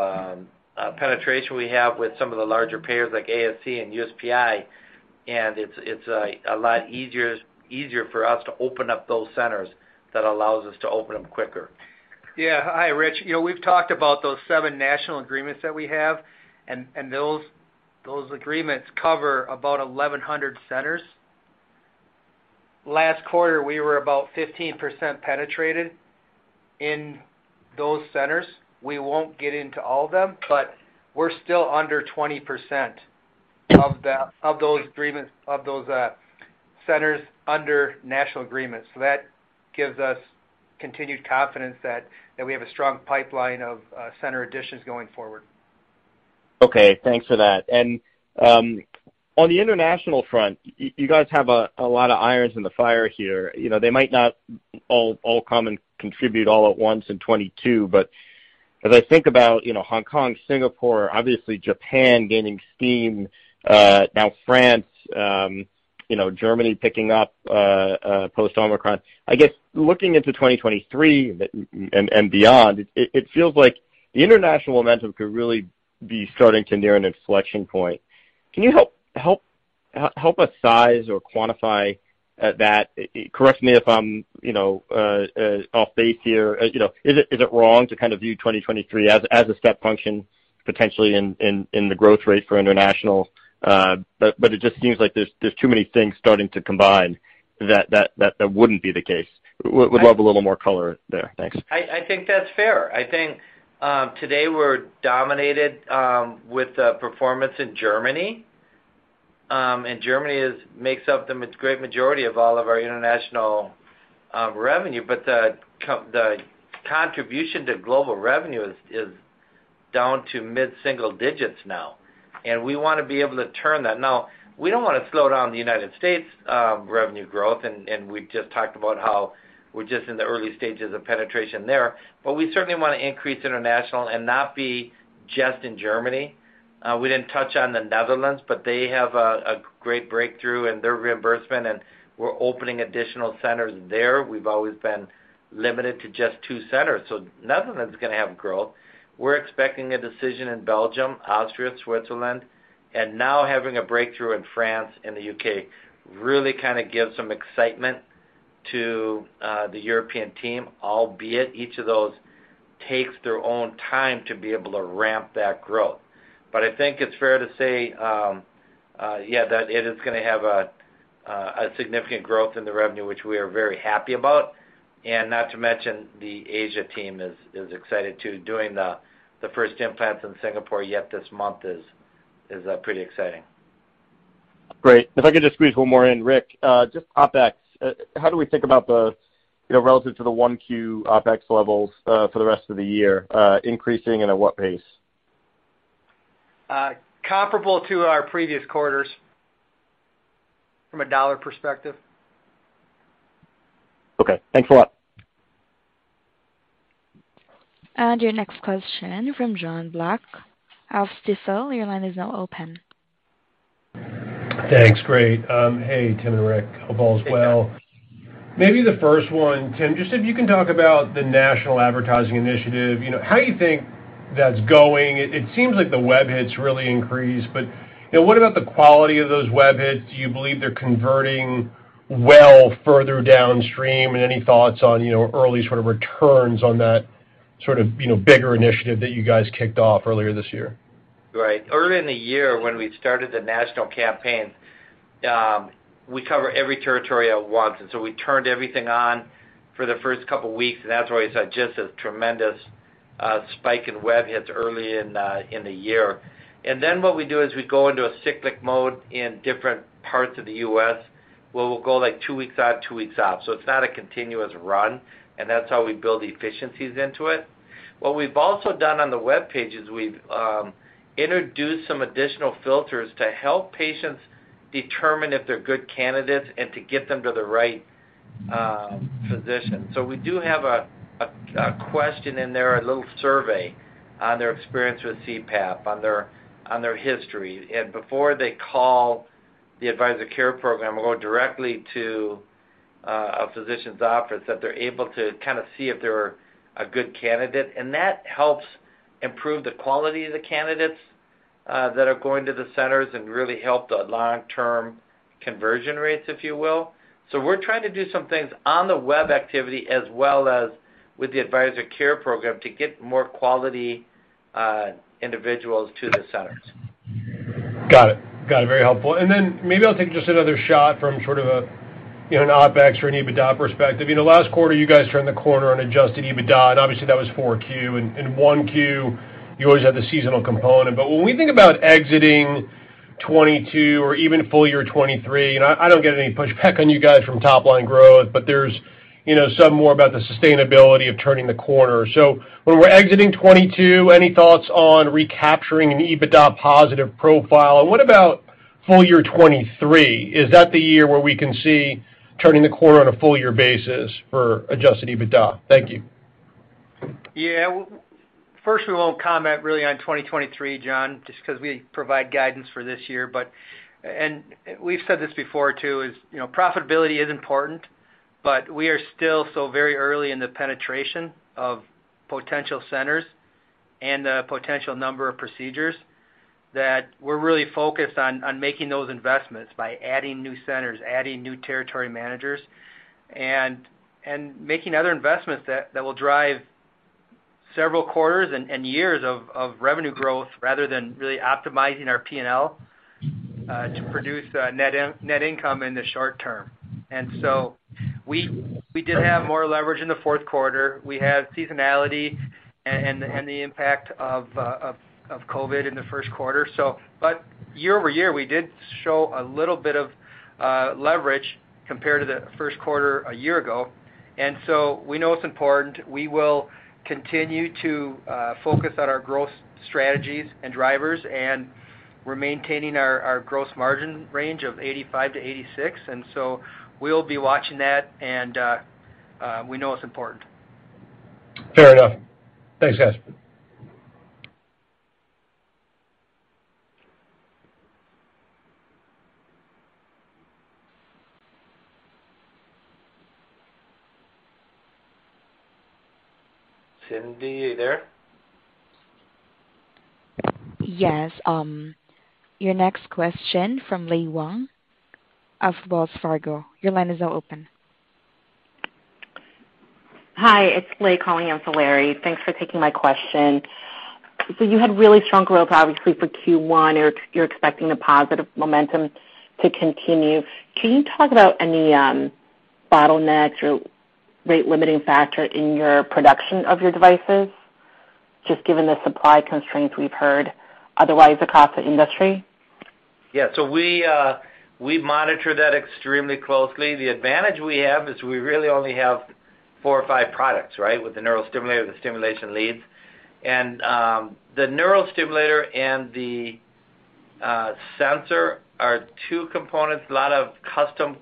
penetration we have with some of the larger payers like ASC and USPI, and it's a lot easier for us to open up those centers that allows us to open them quicker. Yeah. Hi, Rich. You know, we've talked about those seven national agreements that we have, and those agreements cover about 1,100 centers. Last quarter, we were about 15% penetrated in those centers. We won't get into all of them, but we're still under 20% of those centers under national agreements. That gives us continued confidence that we have a strong pipeline of center additions going forward. Okay. Thanks for that. On the international front, you guys have a lot of irons in the fire here. You know, they might not all come and contribute all at once in 2022, but as I think about, you know, Hong Kong, Singapore, obviously Japan gaining steam, now France, you know, Germany picking up, post-Omicron. I guess looking into 2023 and beyond, it feels like the international momentum could really be starting to near an inflection point. Can you help us size or quantify that? Correct me if I'm off base here. You know, is it wrong to kind of view 2023 as a step function potentially in the growth rate for international? It just seems like there's too many things starting to combine that wouldn't be the case. Would love a little more color there. Thanks. I think that's fair. I think today we're dominated with the performance in Germany, and Germany makes up the great majority of all of our international revenue. The contribution to global revenue is down to mid-single digits now, and we wanna be able to turn that. Now, we don't wanna slow down the United States' revenue growth, and we just talked about how we're just in the early stages of penetration there, but we certainly wanna increase international and not be just in Germany. We didn't touch on the Netherlands, but they have a great breakthrough in their reimbursement, and we're opening additional centers there. We've always been limited to just two centers, so Netherlands is gonna have growth. We're expecting a decision in Belgium, Austria, Switzerland. Now having a breakthrough in France and the U.K. really kind of gives some excitement to the European team, albeit each of those takes their own time to be able to ramp that growth. I think it's fair to say that it is gonna have a significant growth in the revenue, which we are very happy about. Not to mention, the Asia team is excited too. Doing the first implants in Singapore yet this month is pretty exciting. Great. If I could just squeeze one more in. Rick, just OpEx. How do we think about the, you know, relative to the 1Q OpEx levels, for the rest of the year, increasing and at what pace? Comparable to our previous quarters from a dollar perspective. Okay. Thanks a lot. Your next question from Jon Block of Stifel. Your line is now open. Thanks. Great. Hey, Tim and Rick. Hope all is well. Maybe the first one, Tim, just if you can talk about the national advertising initiative, you know, how do you think that's going? It seems like the web hits really increased, but, you know, what about the quality of those web hits? Do you believe they're converting well further downstream? Any thoughts on, you know, early sort of returns on that sort of, you know, bigger initiative that you guys kicked off earlier this year? Right. Early in the year when we started the national campaign, we cover every territory at once, and so we turned everything on for the first couple weeks, and that's why we saw just a tremendous spike in web hits early in the year. Then what we do is we go into a cyclic mode in different parts of the U.S. where we'll go, like, two weeks on, two weeks off. It's not a continuous run, and that's how we build the efficiencies into it. What we've also done on the web pages, we've introduced some additional filters to help patients determine if they're good candidates and to get them to the right physician. We do have a question in there, a little survey on their experience with CPAP, on their history. Before they call the Advisor Care Program or go directly to a physician's office, that they're able to kind of see if they're a good candidate. That helps improve the quality of the candidates that are going to the centers and really help the long-term conversion rates, if you will. We're trying to do some things on the web activity as well as with the Advisor Care Program to get more quality individuals to the centers. Got it. Very helpful. Then maybe I'll take just another shot from sort of a, you know, an OpEx or an EBITDA perspective. You know, last quarter, you guys turned the corner on adjusted EBITDA, and obviously that was Q4. In, in one Q, you always have the seasonal component. When we think about exiting 2022 or even full year 2023, you know, I don't get any pushback on you guys from top-line growth, but there's you know, some more about the sustainability of turning the corner. When we're exiting 2022, any thoughts on recapturing an EBITDA positive profile? What about full year 2023? Is that the year where we can see turning the corner on a full year basis for adjusted EBITDA? Thank you. Yeah. First, we won't comment really on 2023, John, just because we provide guidance for this year. We've said this before too, you know, profitability is important, but we are still so very early in the penetration of potential centers and the potential number of procedures that we're really focused on making those investments by adding new centers, adding new territory managers, and making other investments that will drive several quarters and years of revenue growth rather than really optimizing our P&L to produce net income in the short term. We did have more leverage in the fourth quarter. We have seasonality and the impact of COVID in the first quarter. Year-over-year, we did show a little bit of leverage compared to the first quarter a year ago. We know it's important. We will continue to focus on our growth strategies and drivers, and we're maintaining our gross margin range of 85%-86%. We'll be watching that, and we know it's important. Fair enough. Thanks, guys. Cindy, are you there? Yes. Your next question from Lei Liu of Wells Fargo. Your line is now open. Hi, it's Lei calling in for Larry. Thanks for taking my question. You had really strong growth, obviously, for Q1. You're expecting the positive momentum to continue. Can you talk about any bottlenecks or rate limiting factor in your production of your devices just given the supply constraints we've heard otherwise across the industry? Yeah. We monitor that extremely closely. The advantage we have is we really only have four or five products, right? With the neurostimulator, the stimulation leads. The neurostimulator and the sensor are two components, a lot of custom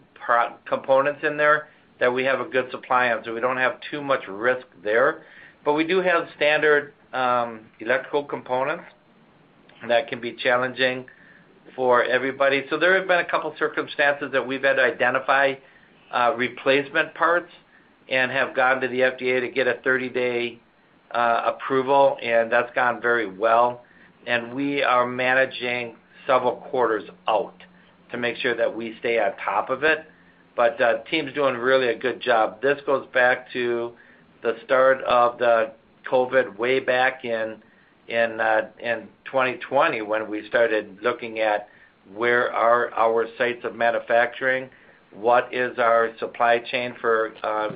components in there that we have a good supply of. We don't have too much risk there. We do have standard electrical components, and that can be challenging for everybody. There have been a couple circumstances that we've had to identify replacement parts and have gone to the FDA to get a 30-day approval, and that's gone very well. We are managing several quarters out to make sure that we stay on top of it. The team's doing really a good job. This goes back to the start of the COVID way back in 2020 when we started looking at where are our sites of manufacturing, what is our supply chain for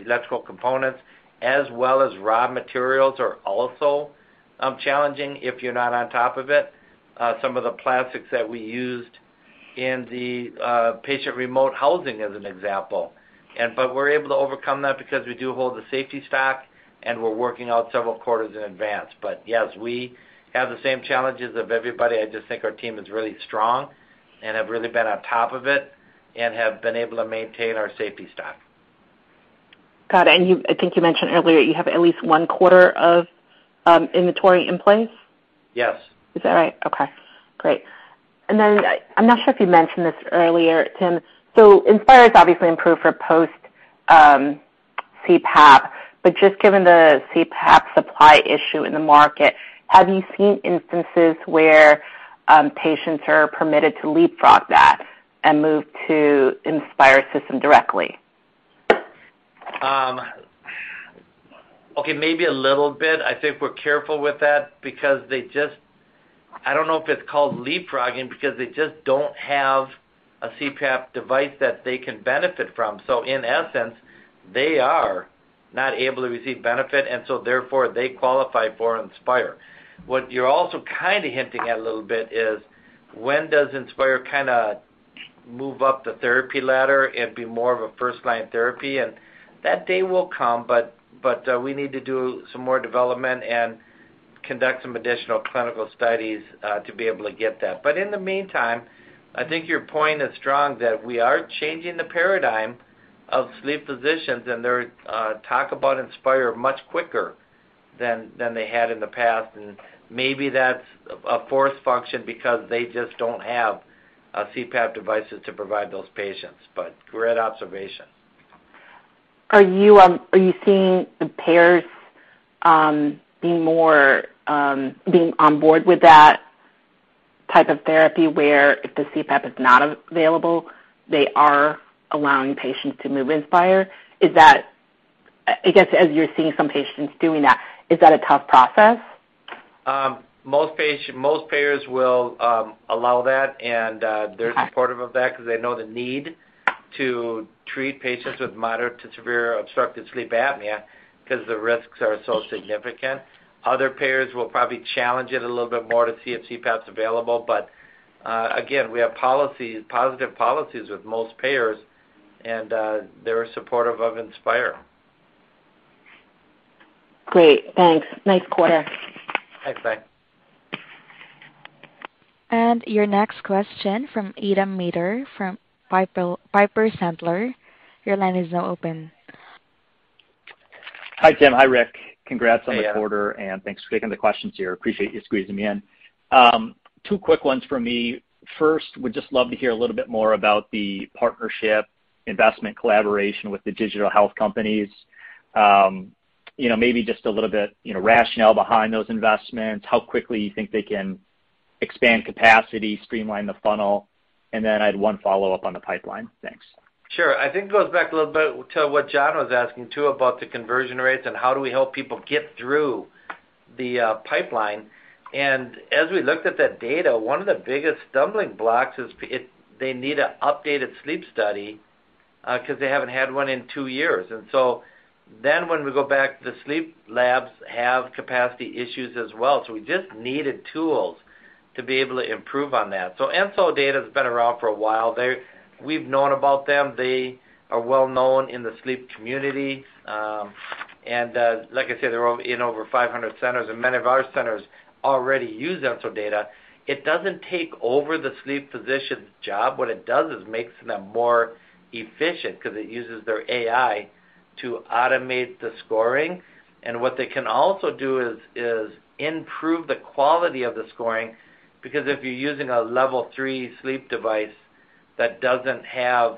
electrical components as well as raw materials are also challenging if you're not on top of it. Some of the plastics that we used in the patient remote housing as an example. We're able to overcome that because we do hold the safety stock, and we're working out several quarters in advance. Yes, we have the same challenges of everybody. I just think our team is really strong and have really been on top of it and have been able to maintain our safety stock. Got it. You, I think you mentioned earlier you have at least one quarter of inventory in place. Yes. Is that right? Okay, great. I'm not sure if you mentioned this earlier, Tim. Inspire is obviously indicated for post CPAP, but just given the CPAP supply issue in the market, have you seen instances where patients are permitted to leapfrog that and move to Inspire system directly? Okay, maybe a little bit. I think we're careful with that because I don't know if it's called leapfrogging because they just don't have a CPAP device that they can benefit from. In essence, they are not able to receive benefit, and so therefore, they qualify for Inspire. What you're also kind of hinting at a little bit is when does Inspire kind of move up the therapy ladder and be more of a first-line therapy? That day will come, but we need to do some more development and conduct some additional clinical studies to be able to get that. In the meantime, I think your point is strong that we are changing the paradigm of sleep physicians, and they talk about Inspire much quicker than they had in the past. Maybe that's a forced function because they just don't have, CPAP devices to provide those patients. Great observation. Are you seeing the payers being on board with that type of therapy where if the CPAP is not available, they are allowing patients to move Inspire? I guess as you're seeing some patients doing that, is that a tough process? Most payers will allow that, and Okay They're supportive of that because they know the need to treat patients with moderate to severe obstructive sleep apnea because the risks are so significant. Other payers will probably challenge it a little bit more to see if CPAP's available. Again, we have policies, positive policies with most payers and, they're supportive of Inspire. Great. Thanks. Nice quarter. Thanks, Diane. Your next question from Adam Maeder from Piper Sandler. Your line is now open. Hi, Tim. Hi, Rick. Hey. Congrats on the quarter, and thanks for taking the questions here. Appreciate you squeezing me in. Two quick ones from me. First, would just love to hear a little bit more about the partnership investment collaboration with the digital health companies. You know, maybe just a little bit, you know, rationale behind those investments, how quickly you think they can expand capacity, streamline the funnel, and then I had one follow-up on the pipeline. Thanks. Sure. I think it goes back a little bit to what John was asking too about the conversion rates and how do we help people get through the pipeline. As we looked at that data, one of the biggest stumbling blocks is if they need an updated sleep study, 'cause they haven't had one in two years. When we go back, the sleep labs have capacity issues as well. We just needed tools to be able to improve on that. EnsoData's been around for a while. We've known about them. They are well-known in the sleep community. And like I said, they're in over 500 centers and many of our centers already use EnsoData. It doesn't take over the sleep physician's job. What it does is makes them more efficient 'cause it uses their AI to automate the scoring. What they can also do is improve the quality of the scoring because if you're using a level three sleep device that doesn't have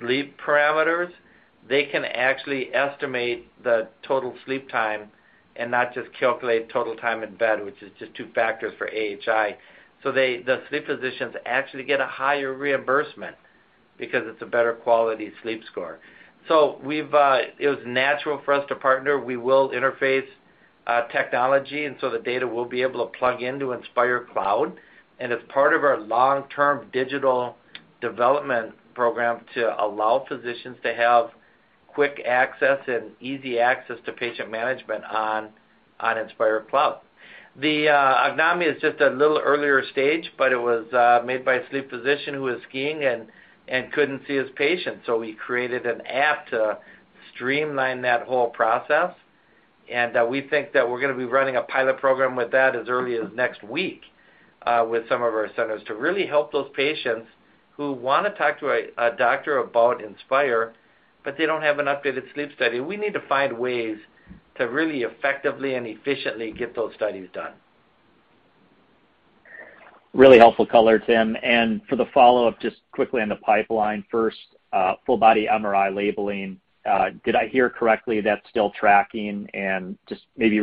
sleep parameters, they can actually estimate the total sleep time and not just calculate total time in bed, which is just two factors for AHI. They, the sleep physicians, actually get a higher reimbursement because it's a better quality sleep score. It was natural for us to partner. We will interface technology and so the data will be able to plug into Inspire Cloud. As part of our long-term digital development program to allow physicians to have quick access and easy access to patient management on Inspire Cloud. Ognomy is just a little earlier stage, but it was made by a sleep physician who was skiing and couldn't see his patients. He created an app to streamline that whole process. We think that we're gonna be running a pilot program with that as early as next week, with some of our centers to really help those patients who wanna talk to a doctor about Inspire, but they don't have an updated sleep study. We need to find ways to really effectively and efficiently get those studies done. Really helpful color, Tim. For the follow-up, just quickly on the pipeline. First, full body MRI labeling. Did I hear correctly that's still tracking and just maybe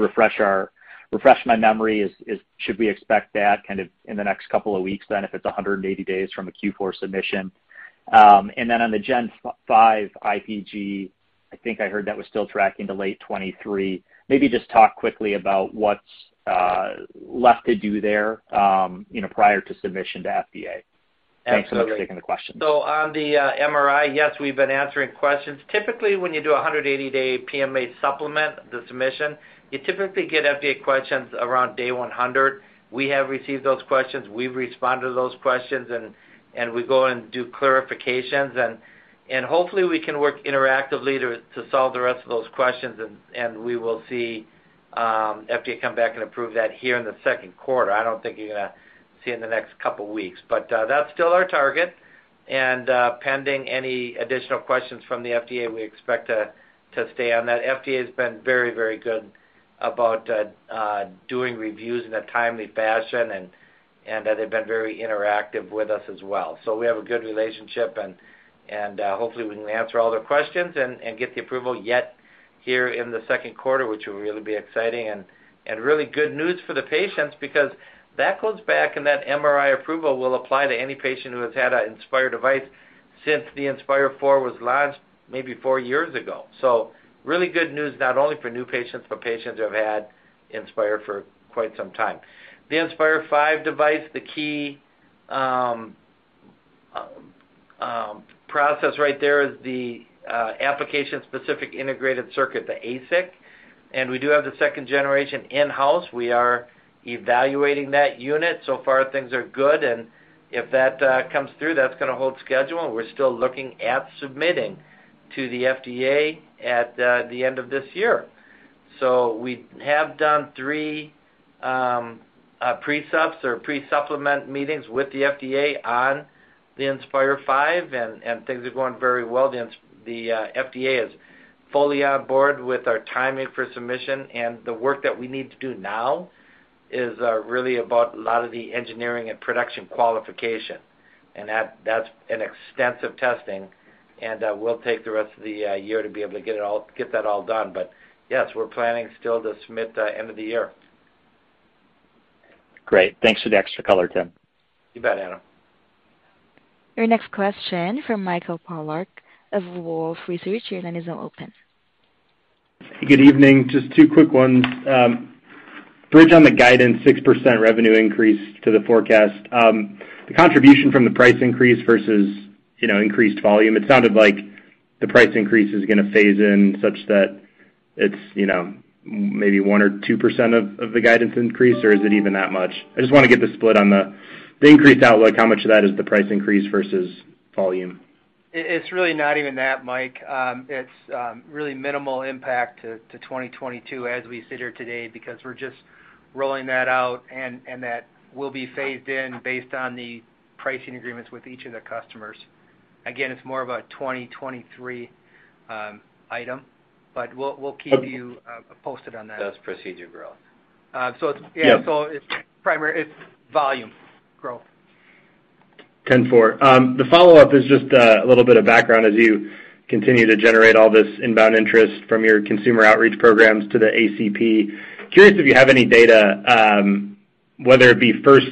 refresh my memory. Should we expect that kind of in the next couple of weeks then if it's 180 days from a Q4 submission? And then on the Gen five IPG, I think I heard that was still tracking to late 2023. Maybe just talk quickly about what's left to do there, you know, prior to submission to FDA. Absolutely. Thanks for taking the question. On the MRI, yes, we've been answering questions. Typically, when you do a 180-day PMA supplement the submission, you typically get FDA questions around day 100. We have received those questions. We've responded to those questions and we go and do clarifications. Hopefully we can work interactively to solve the rest of those questions and we will see FDA come back and approve that here in the second quarter. I don't think you're gonna see in the next couple weeks. That's still our target. Pending any additional questions from the FDA, we expect to stay on that. FDA has been very, very good about doing reviews in a timely fashion and they've been very interactive with us as well. We have a good relationship, and hopefully we can answer all their questions and get the approval yet here in the second quarter, which will really be exciting and really good news for the patients because that goes back and that MRI approval will apply to any patient who has had an Inspire device since the Inspire IV was launched maybe four years ago. Really good news not only for new patients, but patients who have had Inspire for quite some time. The Inspire V device, the key process right there is the application-specific integrated circuit, the ASIC. We do have the second generation in-house. We are evaluating that unit. So far things are good, and if that comes through, that's gonna hold schedule. We're still looking at submitting to the FDA at the end of this year. We have done three pre-subs or pre-submission meetings with the FDA on the Inspire 5, and things are going very well. The FDA is fully on board with our timing for submission. The work that we need to do now is really about a lot of the engineering and production qualification. That's an extensive testing, and we'll take the rest of the year to be able to get that all done. Yes, we're planning still to submit the end of the year. Great. Thanks for the extra color, Tim. You bet, Adam. Your next question from Mike Polark of Wolfe Research. Your line is now open. Good evening. Just two quick ones. Bridge on the guidance, 6% revenue increase to the forecast. The contribution from the price increase versus, you know, increased volume, it sounded like the price increase is gonna phase in such that it's, you know, maybe 1% or 2% of the guidance increase, or is it even that much? I just wanna get the split on the increased outlook, how much of that is the price increase versus volume? It's really not even that, Mike. It's really minimal impact to 2022 as we sit here today because we're just rolling that out, and that will be phased in based on the pricing agreements with each of the customers. Again, it's more of a 2023 item, but we'll keep you posted on that. That's procedure growth. Uh, so it's- Yeah. It's volume growth. 10-4. The follow-up is just a little bit of background as you continue to generate all this inbound interest from your consumer outreach programs to the ACP. Curious if you have any data, whether it be first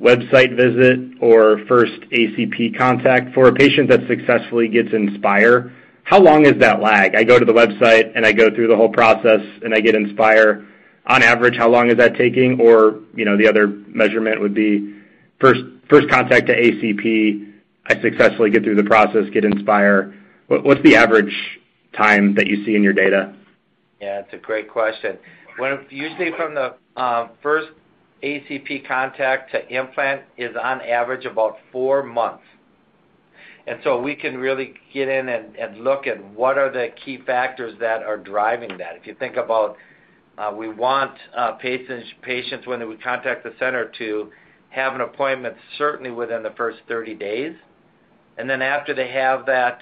website visit or first ACP contact for a patient that successfully gets Inspire. How long is that lag? I go to the website, and I go through the whole process, and I get Inspire. On average, how long is that taking? Or, you know, the other measurement would be first contact to ACP. I successfully get through the process, get Inspire. What's the average time that you see in your data? Yeah, it's a great question. Usually from the first ACP contact to implant is on average about four months. We can really get in and look at what are the key factors that are driving that. If you think about, we want patients when they would contact the center to have an appointment certainly within the first 30 days. After they have that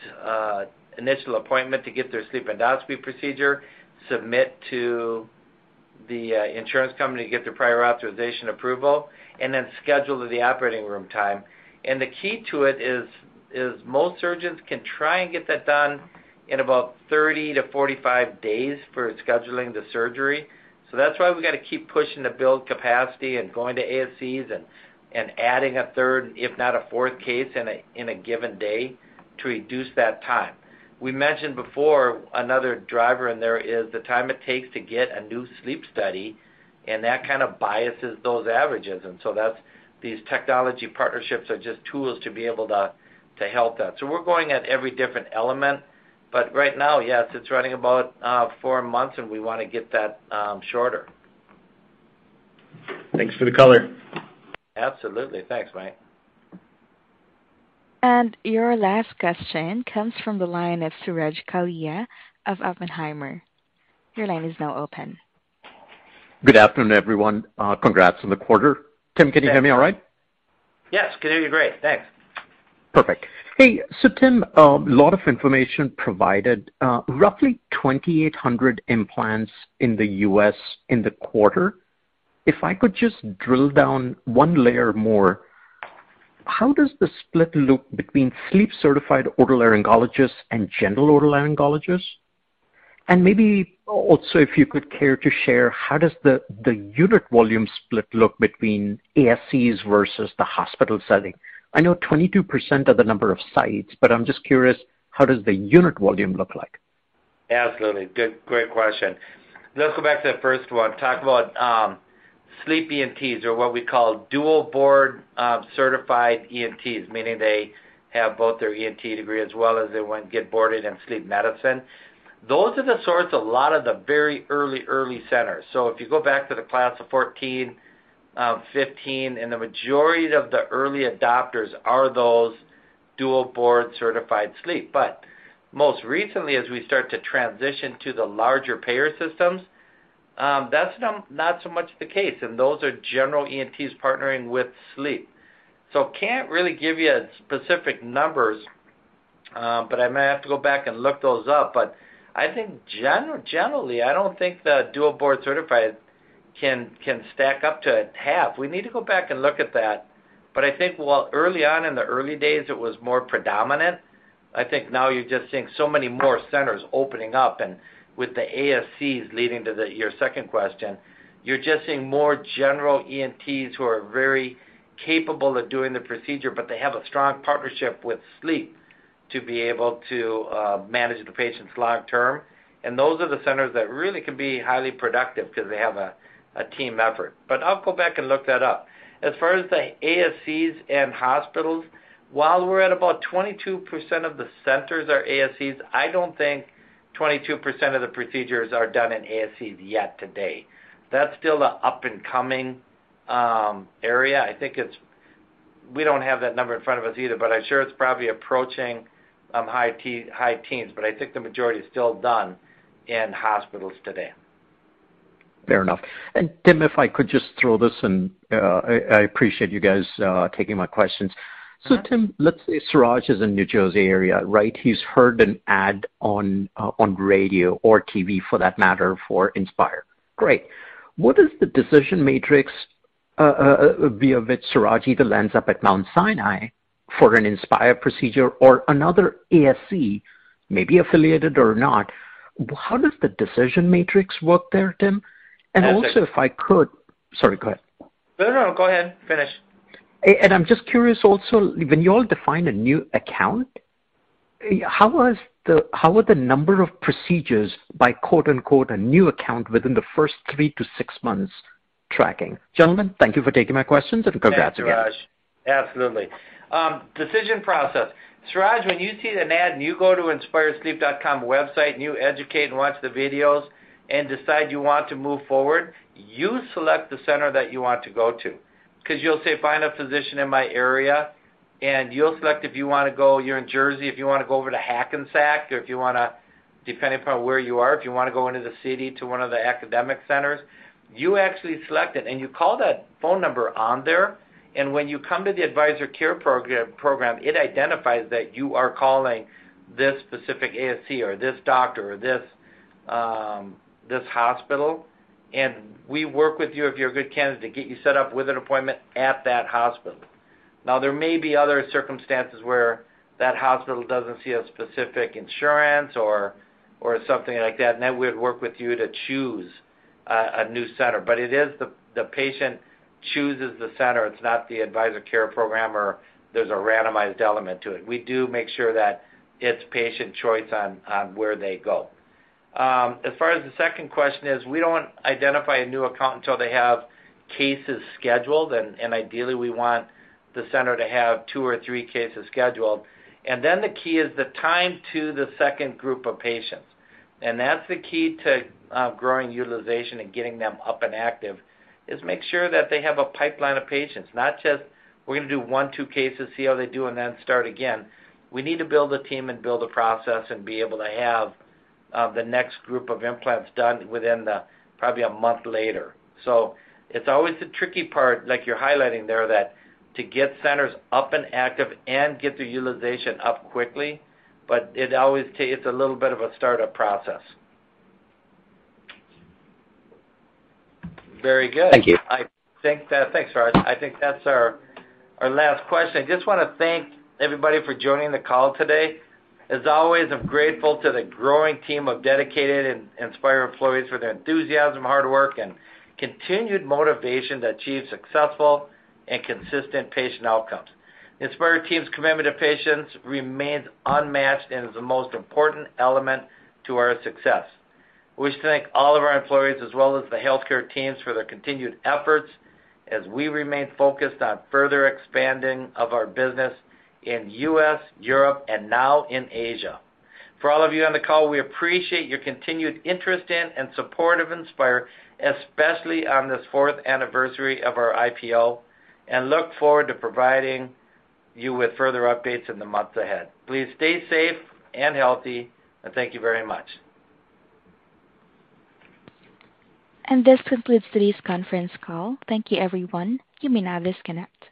initial appointment to get their sleep endoscopy procedure, submit to the insurance company to get their prior authorization approval, and then schedule the operating room time. The key to it is most surgeons can try and get that done in about 30-45 days for scheduling the surgery. That's why we gotta keep pushing to build capacity and going to ASCs and adding a third, if not a fourth case in a given day to reduce that time. We mentioned before another driver in there is the time it takes to get a new sleep study, and that kind of biases those averages. These technology partnerships are just tools to be able to help that. We're going at every different element. Right now, yes, it's running about four months, and we wanna get that shorter. Thanks for the color. Absolutely. Thanks, Mike. Your last question comes from the line of Suraj Kalia of Oppenheimer. Your line is now open. Good afternoon, everyone. Congrats on the quarter. Tim, can you hear me all right? Yes. Can hear you great. Thanks. Perfect. Hey, so Tim, lot of information provided, roughly 2,800 implants in the U.S. in the quarter. If I could just drill down one layer more, how does the split look between sleep-certified otolaryngologists and general otolaryngologists? Maybe also if you could care to share, how does the unit volume split look between ASCs versus the hospital setting? I know 22% are the number of sites, but I'm just curious, how does the unit volume look like? Absolutely. Good great question. Let's go back to the first one. Talk about sleep ENTs or what we call dual board certified ENTs, meaning they have both their ENT degree as well as they went and get boarded in sleep medicine. Those are the sorts a lot of the very early centers. If you go back to the class of 2014, 2015, and the majority of the early adopters are those dual board-certified sleep. Most recently, as we start to transition to the larger payer systems, that's not so much the case, and those are general ENTs partnering with sleep. Can't really give you specific numbers, but I might have to go back and look those up. I think generally, I don't think the dual board certified can stack up to a half. We need to go back and look at that. I think while early on in the early days it was more predominant, I think now you're just seeing so many more centers opening up. With the ASCs leading to your second question, you're just seeing more general ENTs who are very capable of doing the procedure, but they have a strong partnership with sleep to be able to manage the patients long term. Those are the centers that really can be highly productive because they have a team effort. I'll go back and look that up. As far as the ASCs and hospitals, while we're at about 22% of the centers are ASCs, I don't think 22% of the procedures are done in ASCs yet today. That's still an up-and-coming area. We don't have that number in front of us either, but I'm sure it's probably approaching high teens. I think the majority is still done in hospitals today. Fair enough. Tim, if I could just throw this in. I appreciate you guys taking my questions. Uh-huh. Tim, let's say Suraj is in the New Jersey area, right? He's heard an ad on radio or TV for that matter, for Inspire. Great. What is the decision matrix via which Suraj either ends up at Mount Sinai for an Inspire procedure or another ASC, maybe affiliated or not. How does the decision matrix work there, Tim? Yeah. Sorry, go ahead. No, no, go ahead. Finish. I'm just curious also, when you all define a new account, how were the number of procedures by quote-unquote a new account within the first 3-6 months tracking? Gentlemen, thank you for taking my questions, and congrats again. Thanks, Suraj. Absolutely. Decision process. Suraj, when you see an ad and you go to inspiresleep.com website and you educate and watch the videos and decide you want to move forward. You select the center that you want to go to because you'll say, "Find a physician in my area," and you'll select if you wanna go. You're in Jersey, if you wanna go over to Hackensack or if you wanna, depending upon where you are, if you wanna go into the city to one of the academic centers. You actually select it, and you call that phone number on there. When you come to the Advisor Care Program, it identifies that you are calling this specific ASC or this doctor or this hospital, and we work with you if you're a good candidate to get you set up with an appointment at that hospital. Now, there may be other circumstances where that hospital doesn't see a specific insurance or something like that, and then we'd work with you to choose a new center. It is the patient chooses the center. It's not the Advisor Care Program or there's a randomized element to it. We do make sure that it's patient choice on where they go. As far as the second question is, we don't identify a new account until they have cases scheduled and ideally we want the center to have two or three cases scheduled. Then the key is the time to the second group of patients, and that's the key to growing utilization and getting them up and active, is make sure that they have a pipeline of patients, not just we're gonna do one, two cases, see how they do and then start again. We need to build a team and build a process and be able to have the next group of implants done within the probably a month later. It's always the tricky part, like you're highlighting there, that to get centers up and active and get the utilization up quickly, but it always takes a little bit of a startup process. Very good. Thank you. I think, Thanks, Rick. I think that's our last question. I just wanna thank everybody for joining the call today. As always, I'm grateful to the growing team of dedicated and Inspire employees for their enthusiasm, hard work, and continued motivation to achieve successful and consistent patient outcomes. Inspire team's commitment to patients remains unmatched and is the most important element to our success. We wish to thank all of our employees as well as the healthcare teams for their continued efforts as we remain focused on further expanding of our business in U.S., Europe, and now in Asia. For all of you on the call, we appreciate your continued interest in and support of Inspire, especially on this fourth anniversary of our IPO, and look forward to providing you with further updates in the months ahead. Please stay safe and healthy, and thank you very much. This concludes today's conference call. Thank you, everyone. You may now disconnect.